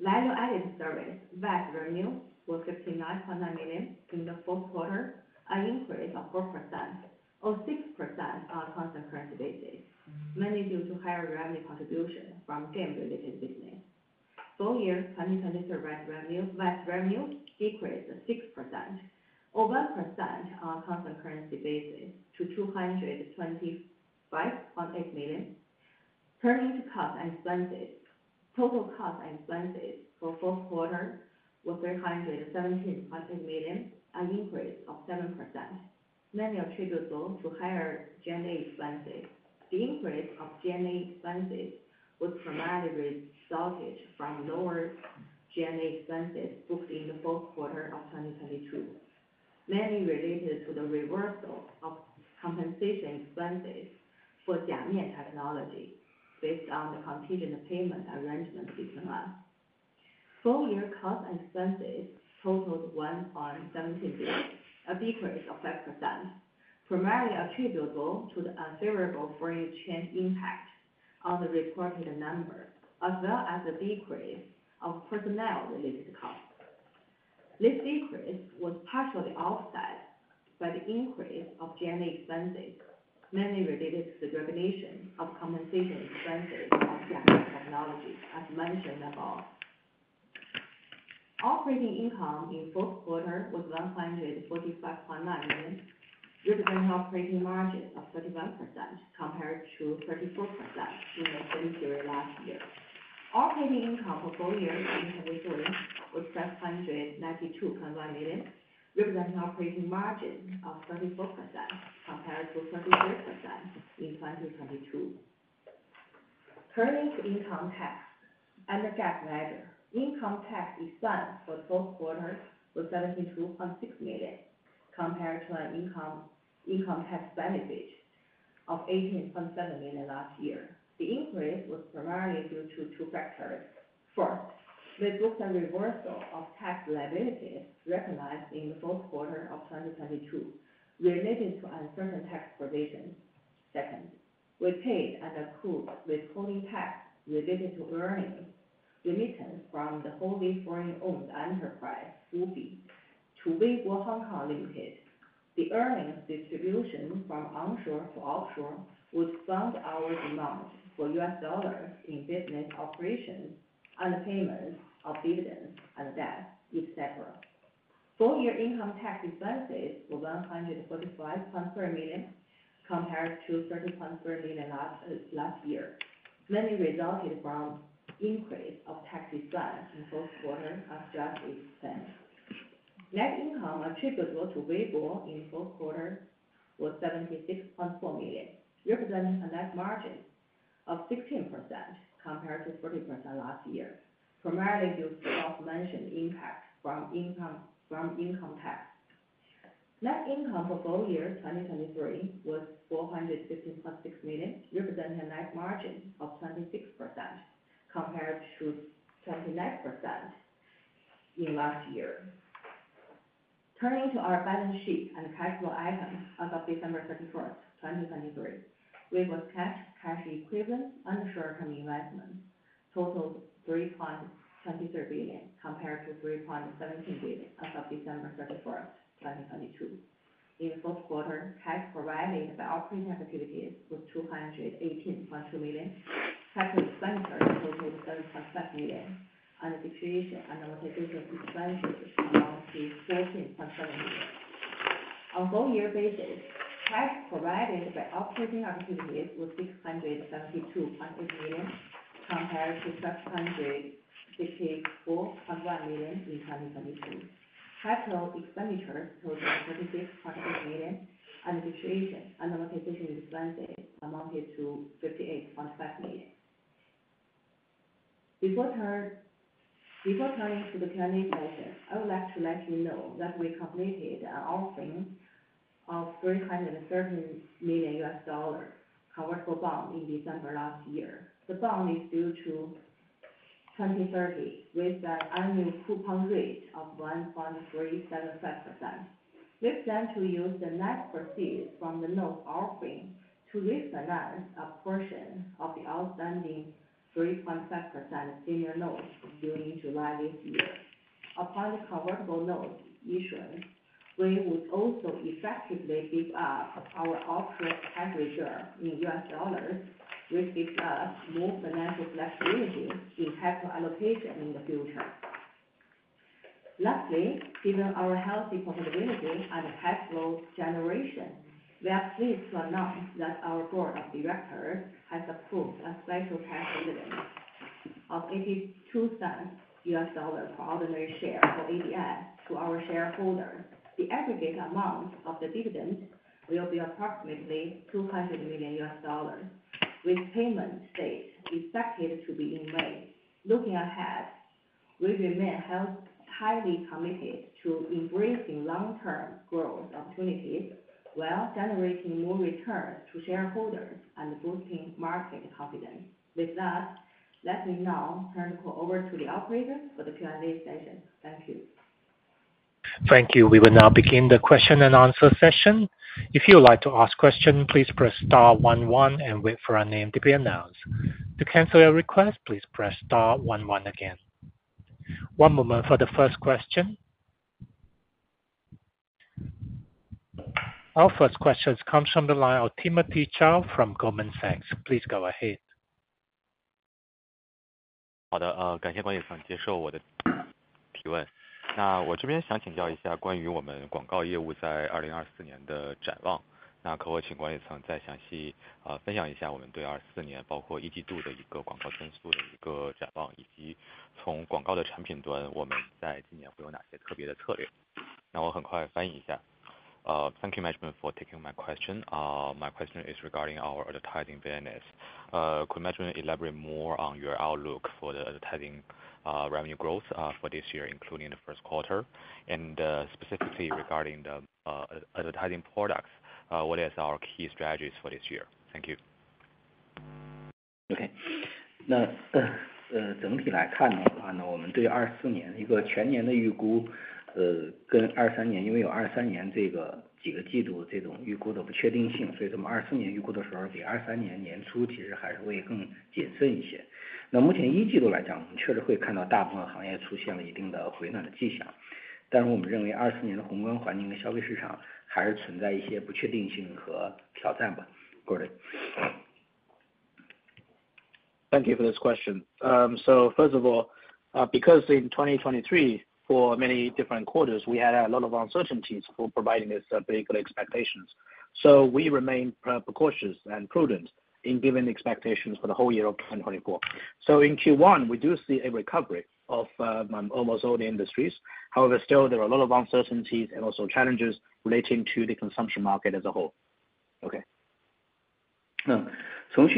[SPEAKER 2] Value-added service revenues were $59.9 million in the fourth quarter, an increase of 4%, or 6% on a constant currency basis, mainly due to higher revenue contribution from the game-related business. Full year 2023 revenues decreased 6%, or 1% on a constant currency basis, to $225.8 million. Turning to costs and expenses, total costs and expenses for the fourth quarter were $317.8 million, an increase of 7%, mainly attributable to higher G&A expenses. The increase of G&A expenses was primarily resulting from lower G&A expenses booked in the fourth quarter of 2022, mainly related to the reversal of compensation expenses for Jiamian Technology based on the contingent payment arrangement between us. Full year costs and expenses totaled $1.17 billion, a decrease of 5%, primarily attributable to the unfavorable forex exchange impact on the reported numbers, as well as a decrease of personnel-related costs. This decrease was partially offset by the increase of G&A expenses, mainly related to the reversal of compensation expenses of Jiamian Technology, as mentioned above. Operating income in the fourth quarter was $145.9 million, representing an operating margin of 31% compared to 34% in the same period last year. Operating income for full year 2023 was $592.1 million, representing an operating margin of 34% compared to 33% in 2022. Turning to income tax and the Non-GAAP measure. Income tax expense for the fourth quarter was $72.6 million compared to an income tax benefit of $18.7 million last year. The increase was primarily due to two factors. First, we booked a reversal of tax liabilities recognized in the fourth quarter of 2022 related to uncertain tax provisions. Second, we paid and accrued withholding tax related to earnings remittance from the wholly foreign-owned enterprise WFOE to Weibo Hong Kong Limited. The earnings distribution from onshore to offshore would fund our demand for US dollars in business operations and the payments of dividends and debts, etc. Full year income tax expenses were $145.3 million compared to $30.3 million last year, mainly resulting from an increase of tax expense in the fourth quarter of tax expense. Net income attributable to Weibo in the fourth quarter was $76.4 million, representing a net margin of 16% compared to 30% last year, primarily due to the above-mentioned impact from income tax. Net income for full year 2023 was $415.6 million, representing a net margin of 26% compared to 29% in last year. Turning to our balance sheet and cash flow items as of December 31st, 2023, Weibo's cash equivalent and short-term investments totaled $3.23 billion compared to $3.17 billion as of December 31st, 2022. In the fourth quarter, cash provided by operating activities was $218.2 million, cash expenditures totaled $7.5 million, and the depreciation and amortization expenses amounted to $14.7 million. On a full year basis, cash provided by operating activities was $672.8 million compared to $564.1 million in 2022. Capital expenditures totaled $36.8 million, and the depreciation and amortization expenses amounted to $58.5 million. Before turning to the credit question, I would like to let you know that we completed an offering of $313 million convertible bond in December last year. The bond is due in 2030 with an annual coupon rate of 1.375%. We plan to use the net proceeds from the notes offering to refinance a portion of the outstanding 3.5% senior notes due in July this year. Upon the convertible notes issuance, we would also effectively beef up our offshore tax reserve in US dollars, which gives us more financial flexibility in capital allocation in the future. Lastly, given our healthy profitability and cash flow generation, we are pleased to announce that our board of directors has approved a special cash dividend of $0.82 per ordinary share for ADS to our shareholders. The aggregate amount of the dividend will be approximately $200 million, with payment dates expected to be in May. Looking ahead, we remain highly committed to embracing long-term growth opportunities while generating more returns to shareholders and boosting market confidence. With that, let me now turn over to the operator for the Q&A session. Thank you.
[SPEAKER 1] Thank you. We will now begin the question and answer session. If you would like to ask a question, please press star one one and wait for our name to be announced. To cancel your request, please press star one one again. One moment for the first question. Our first question comes from the line of Timothy Zhao from Goldman Sachs. Please go ahead.
[SPEAKER 4] 好的，感谢王高飞接受我的提问。那我这边想请教一下关于我们广告业务在2024年的展望。那可否请王高飞再详细分享一下我们对2024年，包括一季度的一个广告增速的一个展望，以及从广告的产品端，我们在今年会有哪些特别的策略？那我很快翻译一下。
[SPEAKER 5] Thank you, Management, for taking my question. My question is regarding our advertising business. Could Management elaborate more on your outlook for the advertising revenue growth for this year, including the first quarter? And specifically regarding the advertising products, what are our key strategies for this year? Thank you.
[SPEAKER 3] Okay.那整体来看的话，我们对24年一个全年的预估，跟23年因为有23年这个几个季度这种预估的不确定性，所以这么24年预估的时候，比23年年初其实还是会更谨慎一些。那目前一季度来讲，我们确实会看到大部分行业出现了一定的回暖的迹象，但是我们认为24年的宏观环境和消费市场还是存在一些不确定性和挑战吧。
[SPEAKER 5] Gordon. Thank you for this question. So first of all, because in 2023, for many different quarters, we had a lot of uncertainties for providing these particular expectations, so we remain cautious and prudent in giving expectations for the whole year of 2024. So in Q1, we do see a recovery of almost all the industries. However, still, there are a lot of uncertainties and also challenges relating to the consumption market as a whole. Okay.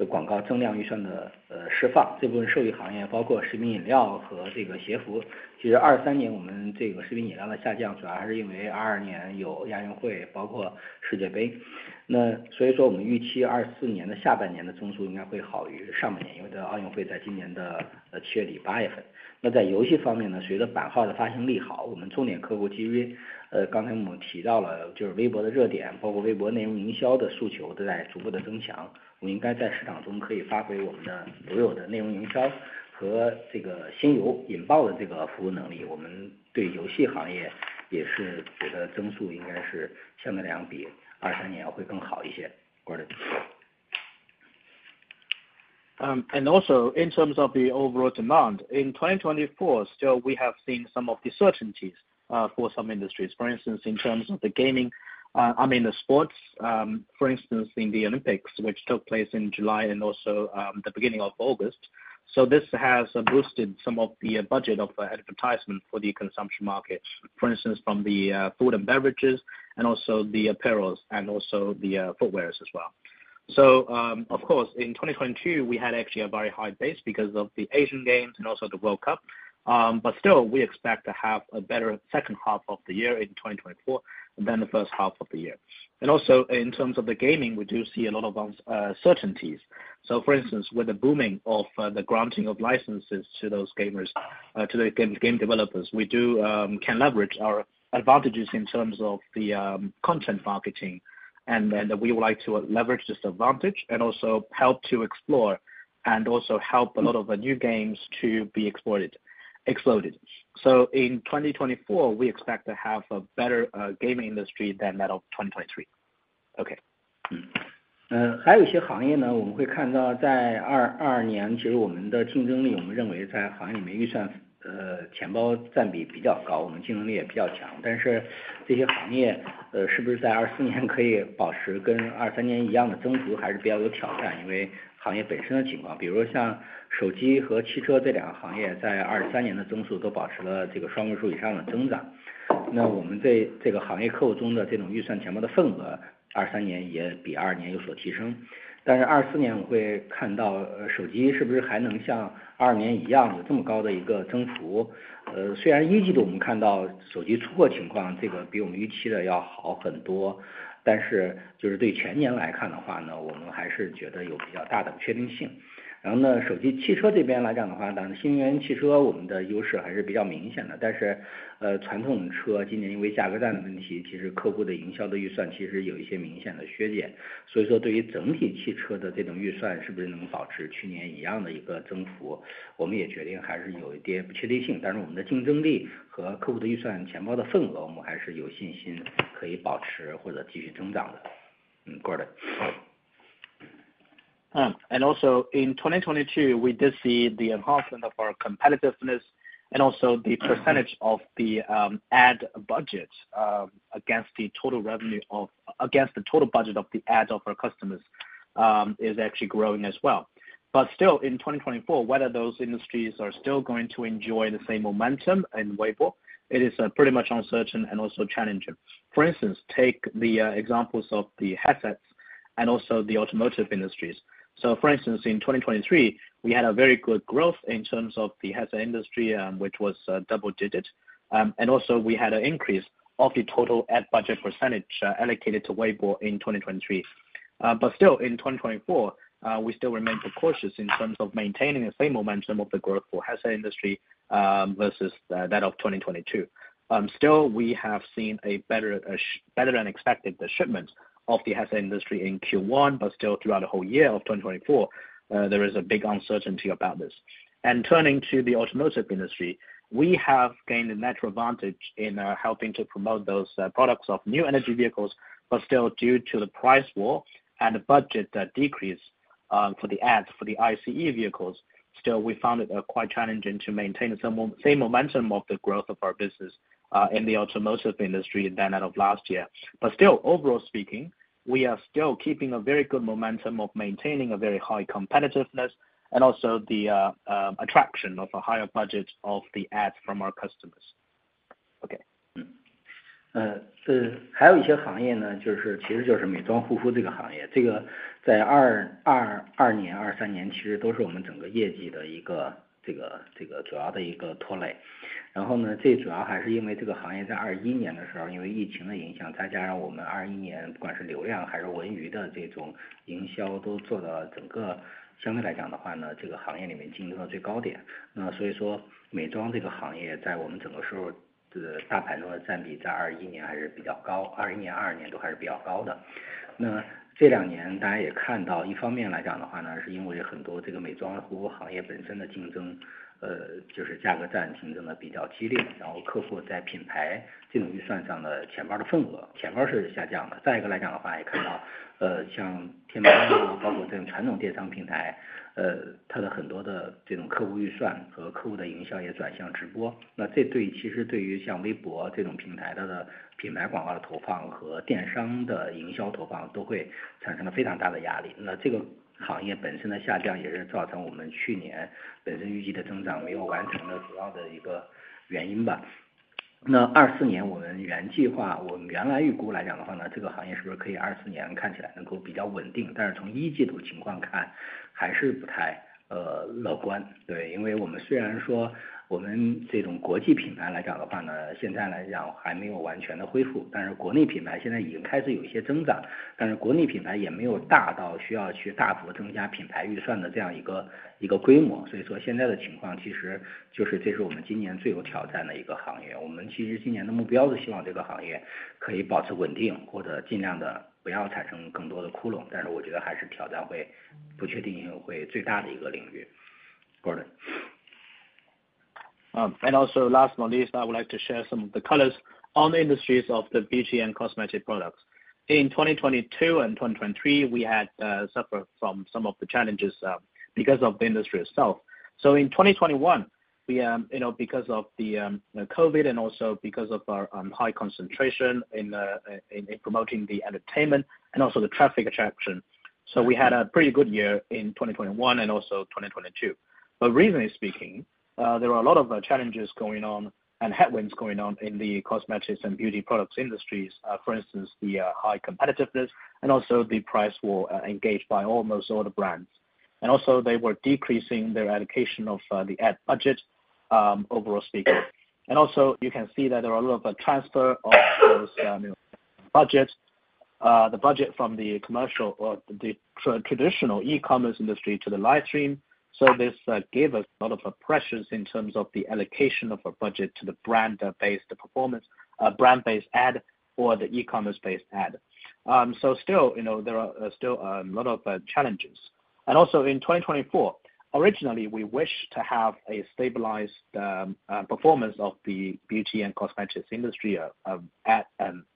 [SPEAKER 3] 那从需求端来讲的话，24年我们首先会有一些行业是存在一些确定性的机会的，例如说今年的奥运会这些赛事的举办，这有利于我们很多的这种消费行业的广告增量预算的释放。这部分受益行业包括食品饮料和这个鞋服，其实23年我们这个食品饮料的下降主要还是因为22年有亚运会，包括世界杯。那所以说我们预期24年的下半年的增速应该会好于上半年，因为在奥运会在今年的7月底、8月份。那在游戏方面，随着板号的发行利好，我们重点客户基于刚才我们提到了就是微博的热点，包括微博内容营销的诉求都在逐步的增强。我们应该在市场中可以发挥我们的所有的内容营销和这个新游引爆的这个服务能力。我们对游戏行业也是觉得增速应该是下面两笔23年要会更好一些。Gordon。
[SPEAKER 5] And also in terms of the overall demand, in 2024, still we have seen some of the uncertainties for some industries. For instance, in terms of the gaming, I mean the sports, for instance, in the Olympics, which took place in July and also the beginning of August. So this has boosted some of the budget of advertisement for the consumption market, for instance, from the food and beverages and also the apparel and also the footwear as well. So of course, in 2022, we had actually a very high base because of the Asian Games and also the World Cup. But still, we expect to have a better second half of the year in 2024 than the first half of the year. And also in terms of the gaming, we do see a lot of uncertainties. So for instance, with the booming of the granting of licenses to those gamers, to the game developers, we can leverage our advantages in terms of the content marketing. And we would like to leverage this advantage and also help to explore and also help a lot of the new games to be exploded. So in 2024, we expect to have a better gaming industry than that of 2023. Okay.
[SPEAKER 3] 还有一些行业我们会看到在22年，其实我们的竞争力我们认为在行业里面预算钱包占比比较高，我们竞争力也比较强。但是这些行业是不是在24年可以保持跟23年一样的增幅，还是比较有挑战？因为行业本身的情况，比如说像手机和汽车这两个行业在23年的增速都保持了这个双位数以上的增长。那我们这个行业客户中的这种预算钱包的份额23年也比22年有所提升。但是24年我会看到手机是不是还能像22年一样有这么高的一个增幅？虽然一季度我们看到手机出货情况这个比我们预期的要好很多，但是就是对全年来看的话，我们还是觉得有比较大的不确定性。然后手机汽车这边来讲的话，当然新能源汽车我们的优势还是比较明显的，但是传统车今年因为价格战的问题，其实客户的营销的预算其实有一些明显的削减。所以说对于整体汽车的这种预算是不是能保持去年一样的一个增幅，我们也决定还是有一点不确定性。但是我们的竞争力和客户的预算钱包的份额，我们还是有信心可以保持或者继续增长的。Gordon。
[SPEAKER 5] And also in 2022, we did see the enhancement of our competitiveness and also the percentage of the ad budget against the total revenue of against the total budget of the ads of our customers is actually growing as well. But still, in 2024, whether those industries are still going to enjoy the same momentum in Weibo, it is pretty much uncertain and also challenging. For instance, take the examples of the handsets and also the automotive industries. So for instance, in 2023, we had a very good growth in terms of the headset industry, which was double-digit. And also we had an increase of the total ad budget percentage allocated to Weibo in 2023. But still, in 2024, we still remain cautious in terms of maintaining the same momentum of the growth for headset industry versus that of 2022. Still, we have seen a better than expected shipment of the headset industry in Q1, but still throughout the whole year of 2024, there is a big uncertainty about this. Turning to the automotive industry, we have gained a natural advantage in helping to promote those products of new energy vehicles, but still due to the price war and the budget decrease for the ads for the ICE vehicles, still we found it quite challenging to maintain the same momentum of the growth of our business in the automotive industry than that of last year. Still, overall speaking, we are still keeping a very good momentum of maintaining a very high competitiveness and also the attraction of a higher budget of the ads from our customers. Okay.
[SPEAKER 3] 还有一些行业，其实就是美妆护肤这个行业，这个在22年、23年其实都是我们整个业绩的一个主要的一个拖累。然后这主要还是因为这个行业在21年的时候因为疫情的影响，再加上我们21年不管是流量还是文娱的这种营销都做到整个相对来讲的话，这个行业里面竞争的最高点。那所以说美妆这个行业在我们整个时候大盘中的占比在21年还是比较高，21年、22年都还是比较高的。那这两年大家也看到一方面来讲的话，是因为很多这个美妆护肤行业本身的竞争，就是价格战竞争的比较激烈，然后客户在品牌这种预算上的钱包的份额，钱包是下降的。再一个来讲的话，也看到像天猫，包括这种传统电商平台，它的很多的这种客户预算和客户的营销也转向直播。那这对于其实对于像微博这种平台它的品牌广告的投放和电商的营销投放都会产生了非常大的压力。那这个行业本身的下降也是造成我们去年本身预计的增长没有完成的主要的一个原因吧。那24年我们原计划我们原来预估来讲的话，这个行业是不是可以24年看起来能够比较稳定，但是从一季度情况看还是不太乐观。对，因为我们虽然说我们这种国际品牌来讲的话，现在来讲还没有完全的恢复，但是国内品牌现在已经开始有一些增长，但是国内品牌也没有大到需要去大幅增加品牌预算的这样一个规模。所以说现在的情况其实就是这是我们今年最有挑战的一个行业。我们其实今年的目标是希望这个行业可以保持稳定，或者尽量的不要产生更多的窟窿，但是我觉得还是挑战会不确定性会最大的一个领域。Gordon。
[SPEAKER 5] And also last but not least, I would like to share some of the colors on the industries of the beauty and cosmetic products. In 2022 and 2023, we had suffered from some of the challenges because of the industry itself. So in 2021, because of the COVID and also because of our high concentration in promoting the entertainment and also the traffic attraction, so we had a pretty good year in 2021 and also 2022. But reasonably speaking, there were a lot of challenges going on and headwinds going on in the cosmetics and beauty products industries. For instance, the high competitiveness and also the price war engaged by almost all the brands. And also they were decreasing their allocation of the ad budget, overall speaking. And also, you can see that there are a lot of transfer of those budgets, the budget from the commercial or the traditional e-commerce industry to the livestream. So this gave us a lot of pressures in terms of the allocation of our budget to the brand-based performance, brand-based ad, or the e-commerce-based ad. So still, there are still a lot of challenges. And also in 2024, originally we wished to have a stabilized performance of the beauty and cosmetics industry ad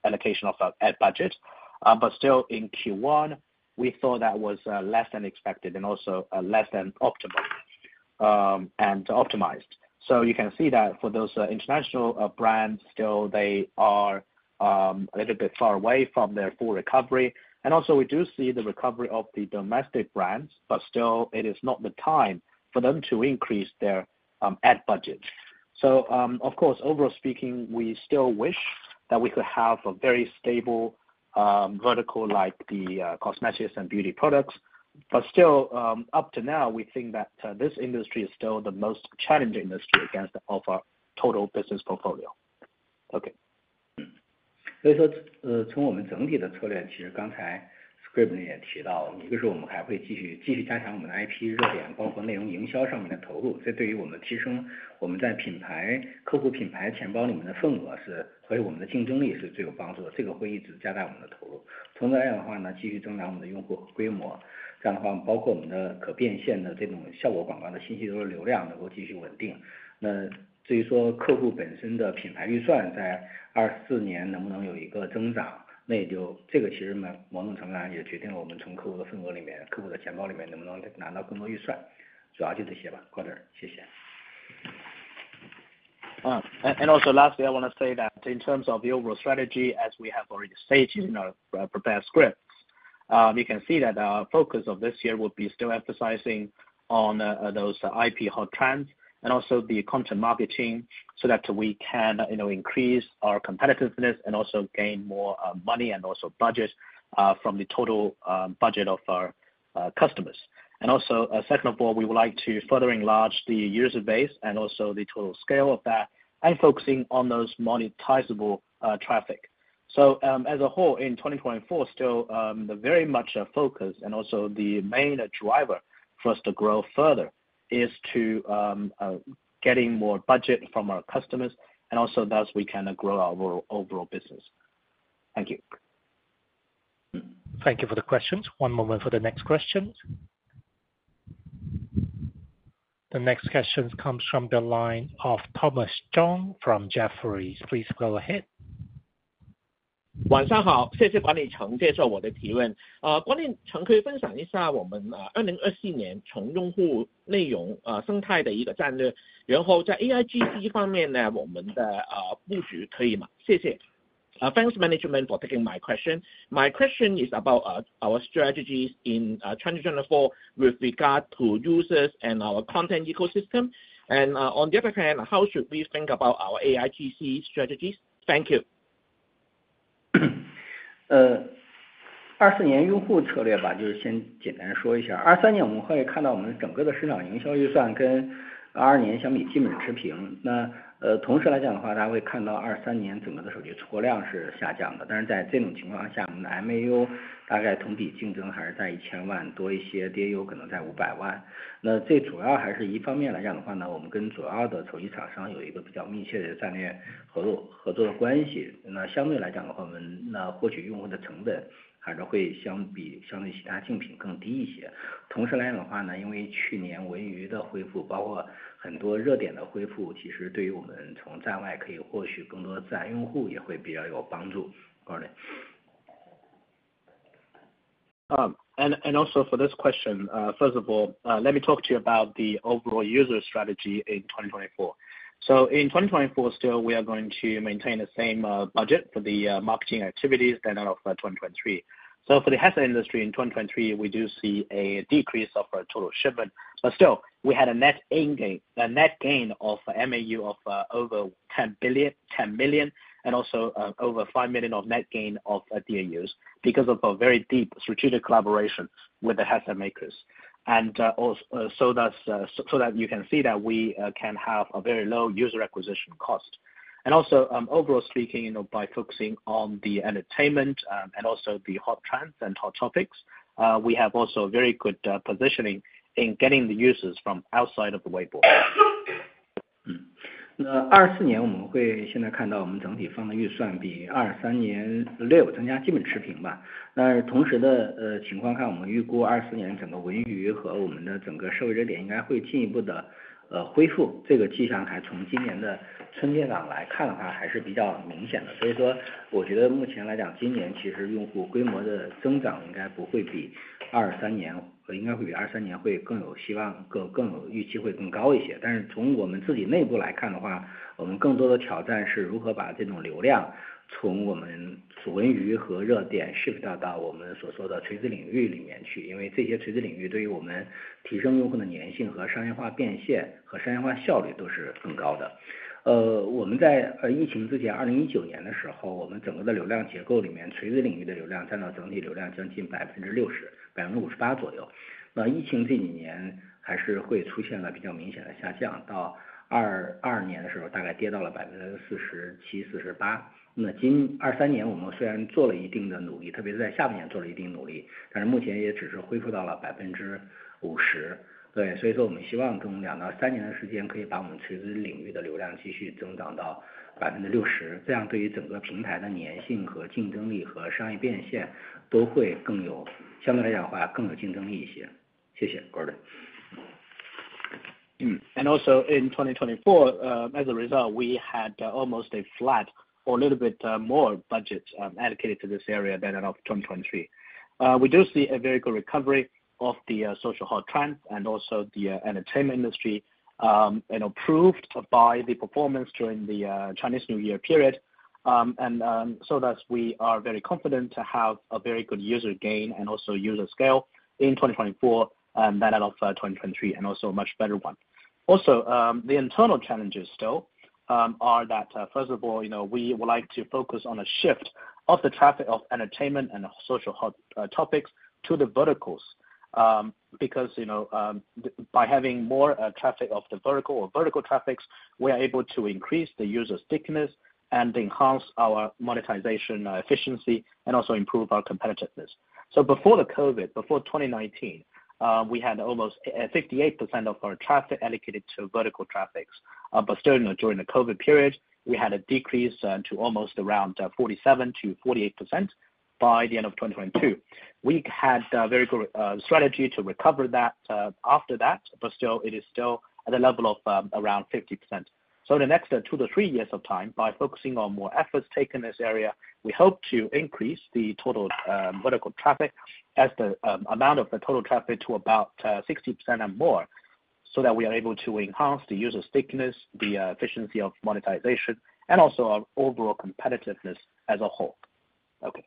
[SPEAKER 5] allocation of our ad budget. But still in Q1, we thought that was less than expected and also less than optimized and optimized. So you can see that for those international brands, still they are a little bit far away from their full recovery. We also see the recovery of the domestic brands, but still it is not the time for them to increase their ad budgets. So of course, overall speaking, we still wish that we could have a very stable vertical like the cosmetics and beauty products. But still, up to now, we think that this industry is still the most challenging industry against all of our total business portfolio. Okay.
[SPEAKER 3] 所以说从我们整体的策略，其实刚才script也提到，一个是我们还会继续加强我们的IP热点，包括内容营销上面的投入，这对于我们提升我们在品牌客户品牌钱包里面的份额是和我们的竞争力是最有帮助的。这个会一直加大我们的投入。从这来讲的话，继续增长我们的用户规模，这样的话包括我们的可变现的这种效果广告的信息流的流量能够继续稳定。那至于说客户本身的品牌预算在24年能不能有一个增长，那也就这个其实某种程度上也决定了我们从客户的份额里面，客户的钱包里面能不能拿到更多预算。主要就这些吧。Gordon，谢谢。
[SPEAKER 5] And also lastly, I want to say that in terms of the overall strategy, as we have already stated in our prepared script, you can see that our focus of this year will be still emphasizing on those IP hot trends and also the content marketing, so that we can increase our competitiveness and also gain more money and also budget from the total budget of our customers. And also second of all, we would like to further enlarge the user base and also the total scale of that and focusing on those monetizable traffic. So as a whole, in 2024, still the very much focus and also the main driver for us to grow further is to getting more budget from our customers, and also thus we can grow our overall business. Thank you.
[SPEAKER 1] Thank you for the questions. One moment for the next questions. The next questions comes from the line of Thomas Chong from Jefferies. Please go ahead.
[SPEAKER 6] 晚上好，谢谢王高飞接受我的提问。王高飞可以分享一下我们2024年从用户内容生态的一个战略，然后在AIGC方面我们的布局可以吗？谢谢。Thanks management for taking my question. My question is about our strategies in 2024 with regard to users and our content ecosystem. And on the other hand, how should we think about our AIGC strategies? Thank you.
[SPEAKER 3] 24年用户策略吧，就是先简单说一下。23年我们会看到我们整个的市场营销预算跟22年相比基本持平。那同时来讲的话，大家会看到23年整个的手机出货量是下降的，但是在这种情况下，我们的MAU大概同比竞争还是在1,000万多一些，DAU可能在500万。那这主要还是一方面来讲的话，我们跟主要的手机厂商有一个比较密切的战略合作的关系。那相对来讲的话，我们获取用户的成本还是会相比相对其他竞品更低一些。同时来讲的话，因为去年文娱的恢复，包括很多热点的恢复，其实对于我们从站外可以获取更多自然用户也会比较有帮助。Gordon。
[SPEAKER 5] Also for this question, first of all, let me talk to you about the overall user strategy in 2024. So in 2024, still we are going to maintain the same budget for the marketing activities than that of 2023. So for the handset industry in 2023, we do see a decrease of our total shipment, but still we had a net gain of MAU of over 10 million, and also over 5 million of net gain of DAUs because of a very deep strategic collaboration with the handset makers. So that you can see that we can have a very low user acquisition cost. Also overall speaking, by focusing on the entertainment and also the hot trends and hot topics, we have also very good positioning in getting the users from outside of the Weibo. In 2024, as a result, we had almost a flat or a little bit more budget allocated to this area than that of 2023. We do see a very good recovery of the social hot trends and also the entertainment industry improved by the performance during the Chinese New Year period. And so that's we are very confident to have a very good user gain and also user scale in 2024 than that of 2023 and also a much better one. Also, the internal challenges still are that first of all, we would like to focus on a shift of the traffic of entertainment and social hot topics to the verticals, because by having more traffic of the vertical or vertical traffics, we are able to increase the user stickiness and enhance our monetization efficiency and also improve our competitiveness. So before the COVID, before 2019, we had almost 58% of our traffic allocated to vertical traffics. But still during the COVID period, we had a decrease to almost around 47%-48% by the end of 2022. We had a very good strategy to recover that after that, but still it is still at a level of around 50%. So in the next two to three years of time, by focusing on more efforts taken in this area, we hope to increase the total vertical traffic as the amount of the total traffic to about 60% and more, so that we are able to enhance the user stickiness, the efficiency of monetization, and also our overall competitiveness as a whole. Okay.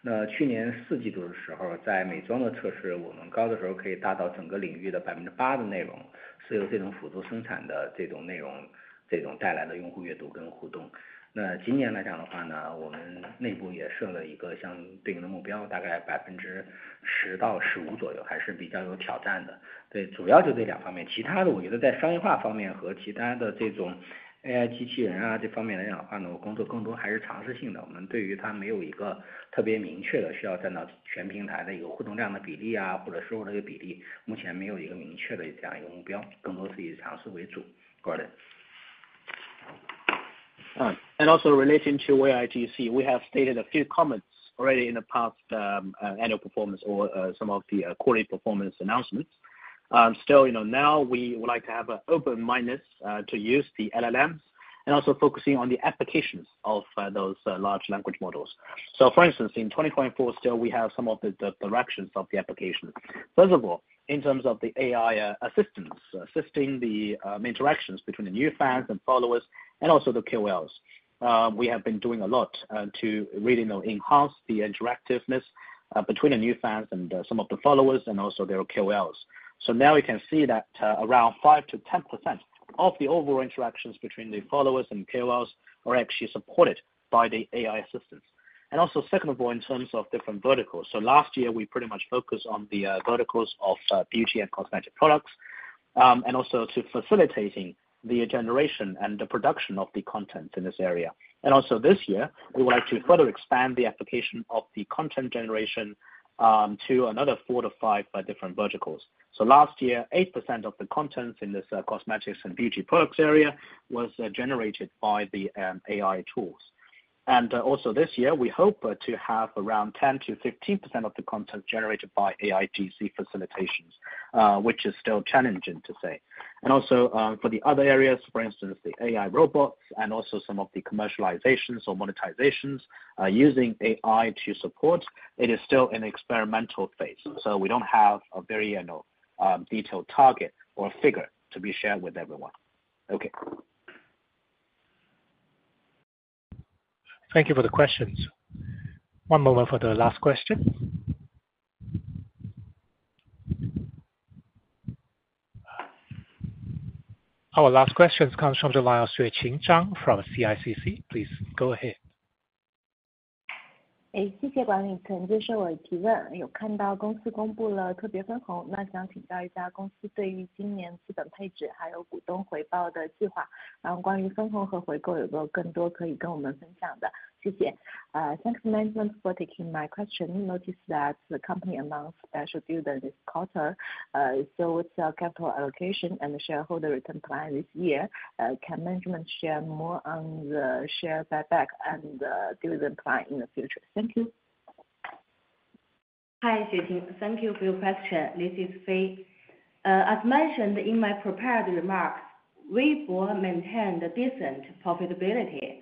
[SPEAKER 7] AI这种模式去增加我们头部的这种博主他的AI助手，然后他去提升我们的这种新粉互动，也就是说大杯跟粉丝互动的这种效率。那这个我们今年的目标是在部分领域，我们希望能占到这些新粉互动之间的这种互动率，通过AI这个助手能达到他们的5%到10%这样一个比例，是由这种AI助手来完成的。然后另外一个就是针对一些特殊的，就针对一些垂直领域，比如说去年我们说的美妆，今年我们可能会扩大到大概四到五个领域，那通过AIGC去辅助大杯生产内容。那去年四季度的时候，在美妆的测试，我们高的时候可以达到整个领域的8%的内容，是由这种辅助生产的这种内容带来的用户阅读跟互动。那今年来讲的话，我们内部也设了一个相对应的目标，大概10%到15%左右，还是比较有挑战的。对，主要就这两方面，其他的我觉得在商业化方面和其他的这种AI机器人这方面来讲的话，我工作更多还是尝试性的，我们对于它没有一个特别明确的需要占到全平台的一个互动量的比例，或者收入的一个比例，目前没有一个明确的这样一个目标，更多是以尝试为主。Gordon。
[SPEAKER 5] And also relating to AIGC, we have stated a few comments already in the past annual performance or some of the quality performance announcements. Still now we would like to have an open mind to use the LLMs and also focusing on the applications of those large language models. So for instance, in 2024, still we have some of the directions of the application. First of all, in terms of the AI assistants, assisting the interactions between the new fans and followers, and also the KOLs, we have been doing a lot to really enhance the interactiveness between the new fans and some of the followers and also their KOLs. So now we can see that around 5%-10% of the overall interactions between the followers and KOLs are actually supported by the AI assistants. And also second of all, in terms of different verticals, so last year we pretty much focused on the verticals of beauty and cosmetic products, and also to facilitating the generation and the production of the content in this area. And also this year we would like to further expand the application of the content generation to another 4-5 different verticals. So last year, 8% of the contents in this cosmetics and beauty products area was generated by the AI tools. And also this year we hope to have around 10%-15% of the content generated by AIGC facilitations, which is still challenging to say. And also for the other areas, for instance, the AI robots and also some of the commercializations or monetizations using AI to support, it is still an experimental phase. We don't have a very detailed target or figure to be shared with everyone. Okay.
[SPEAKER 1] Thank you for the questions. One moment for the last question. Our last questions comes from the line of Xueqing Zhang from CICC. Please go ahead.
[SPEAKER 8] Thanks management for taking my question. Notice that the company announced special dividends this quarter, so with capital allocation and the shareholder return plan this year, can management share more on the share buyback and dividend plan in the future? Thank you.
[SPEAKER 7] Hi Xueqing, thank you for your question. This is Fei. As mentioned in my prepared remarks, Weibo maintained a decent profitability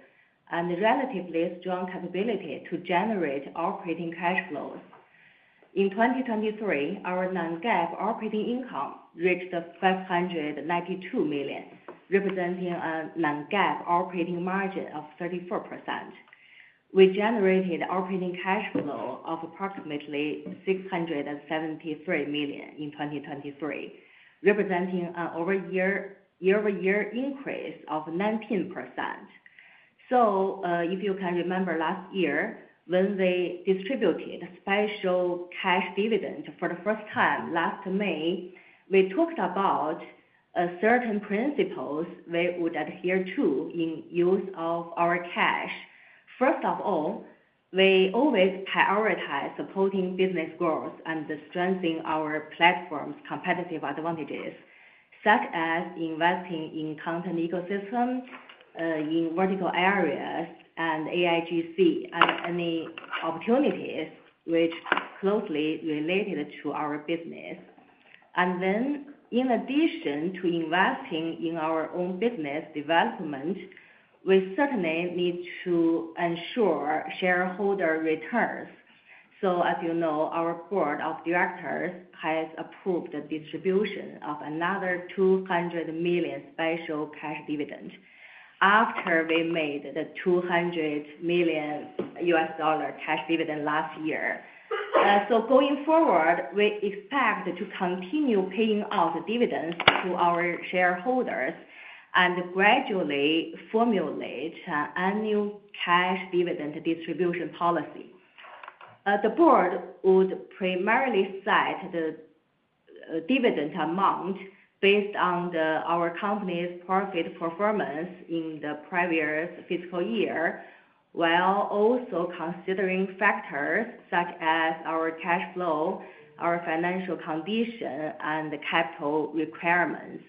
[SPEAKER 7] and relatively strong capability to generate operating cash flows. In 2023, our non-GAAP operating income reached $592 million, representing a non-GAAP operating margin of 34%. We generated operating cash flow of approximately $673 million in 2023, representing a year-over-year increase of 19%. So if you can remember last year, when we distributed special cash dividend for the first time last May, we talked about certain principles we would adhere to in use of our cash. First of all, we always prioritize supporting business growth and strengthening our platform's competitive advantages, such as investing in content ecosystems, in vertical areas, and AIGC and any opportunities which are closely related to our business. And then in addition to investing in our own business development, we certainly need to ensure shareholder returns. So as you know, our board of directors has approved a distribution of another $200 million special cash dividend after we made the $200 million cash dividend last year. So going forward, we expect to continue paying out dividends to our shareholders and gradually formulate an annual cash dividend distribution policy. The board would primarily set the dividend amount based on our company's profit performance in the previous fiscal year, while also considering factors such as our cash flow, our financial condition, and capital requirements.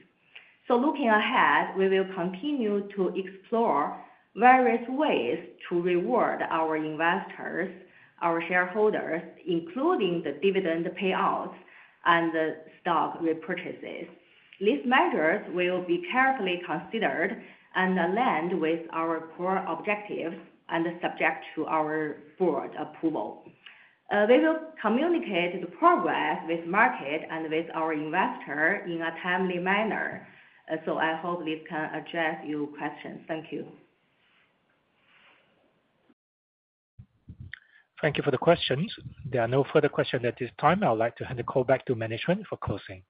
[SPEAKER 7] So looking ahead, we will continue to explore various ways to reward our investors, our shareholders, including the dividend payouts and the stock repurchases. These measures will be carefully considered and aligned with our core objectives and subject to our board approval. We will communicate the progress with the market and with our investors in a timely manner. I hope this can address your questions. Thank you.
[SPEAKER 1] Thank you for the questions. There are no further questions at this time. I would like to hand the call back to management for closing.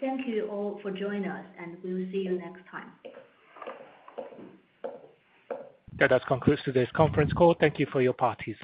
[SPEAKER 2] Thank you all for joining us, and we will see you next time.
[SPEAKER 1] That does conclude today's conference call. Thank you for your participation.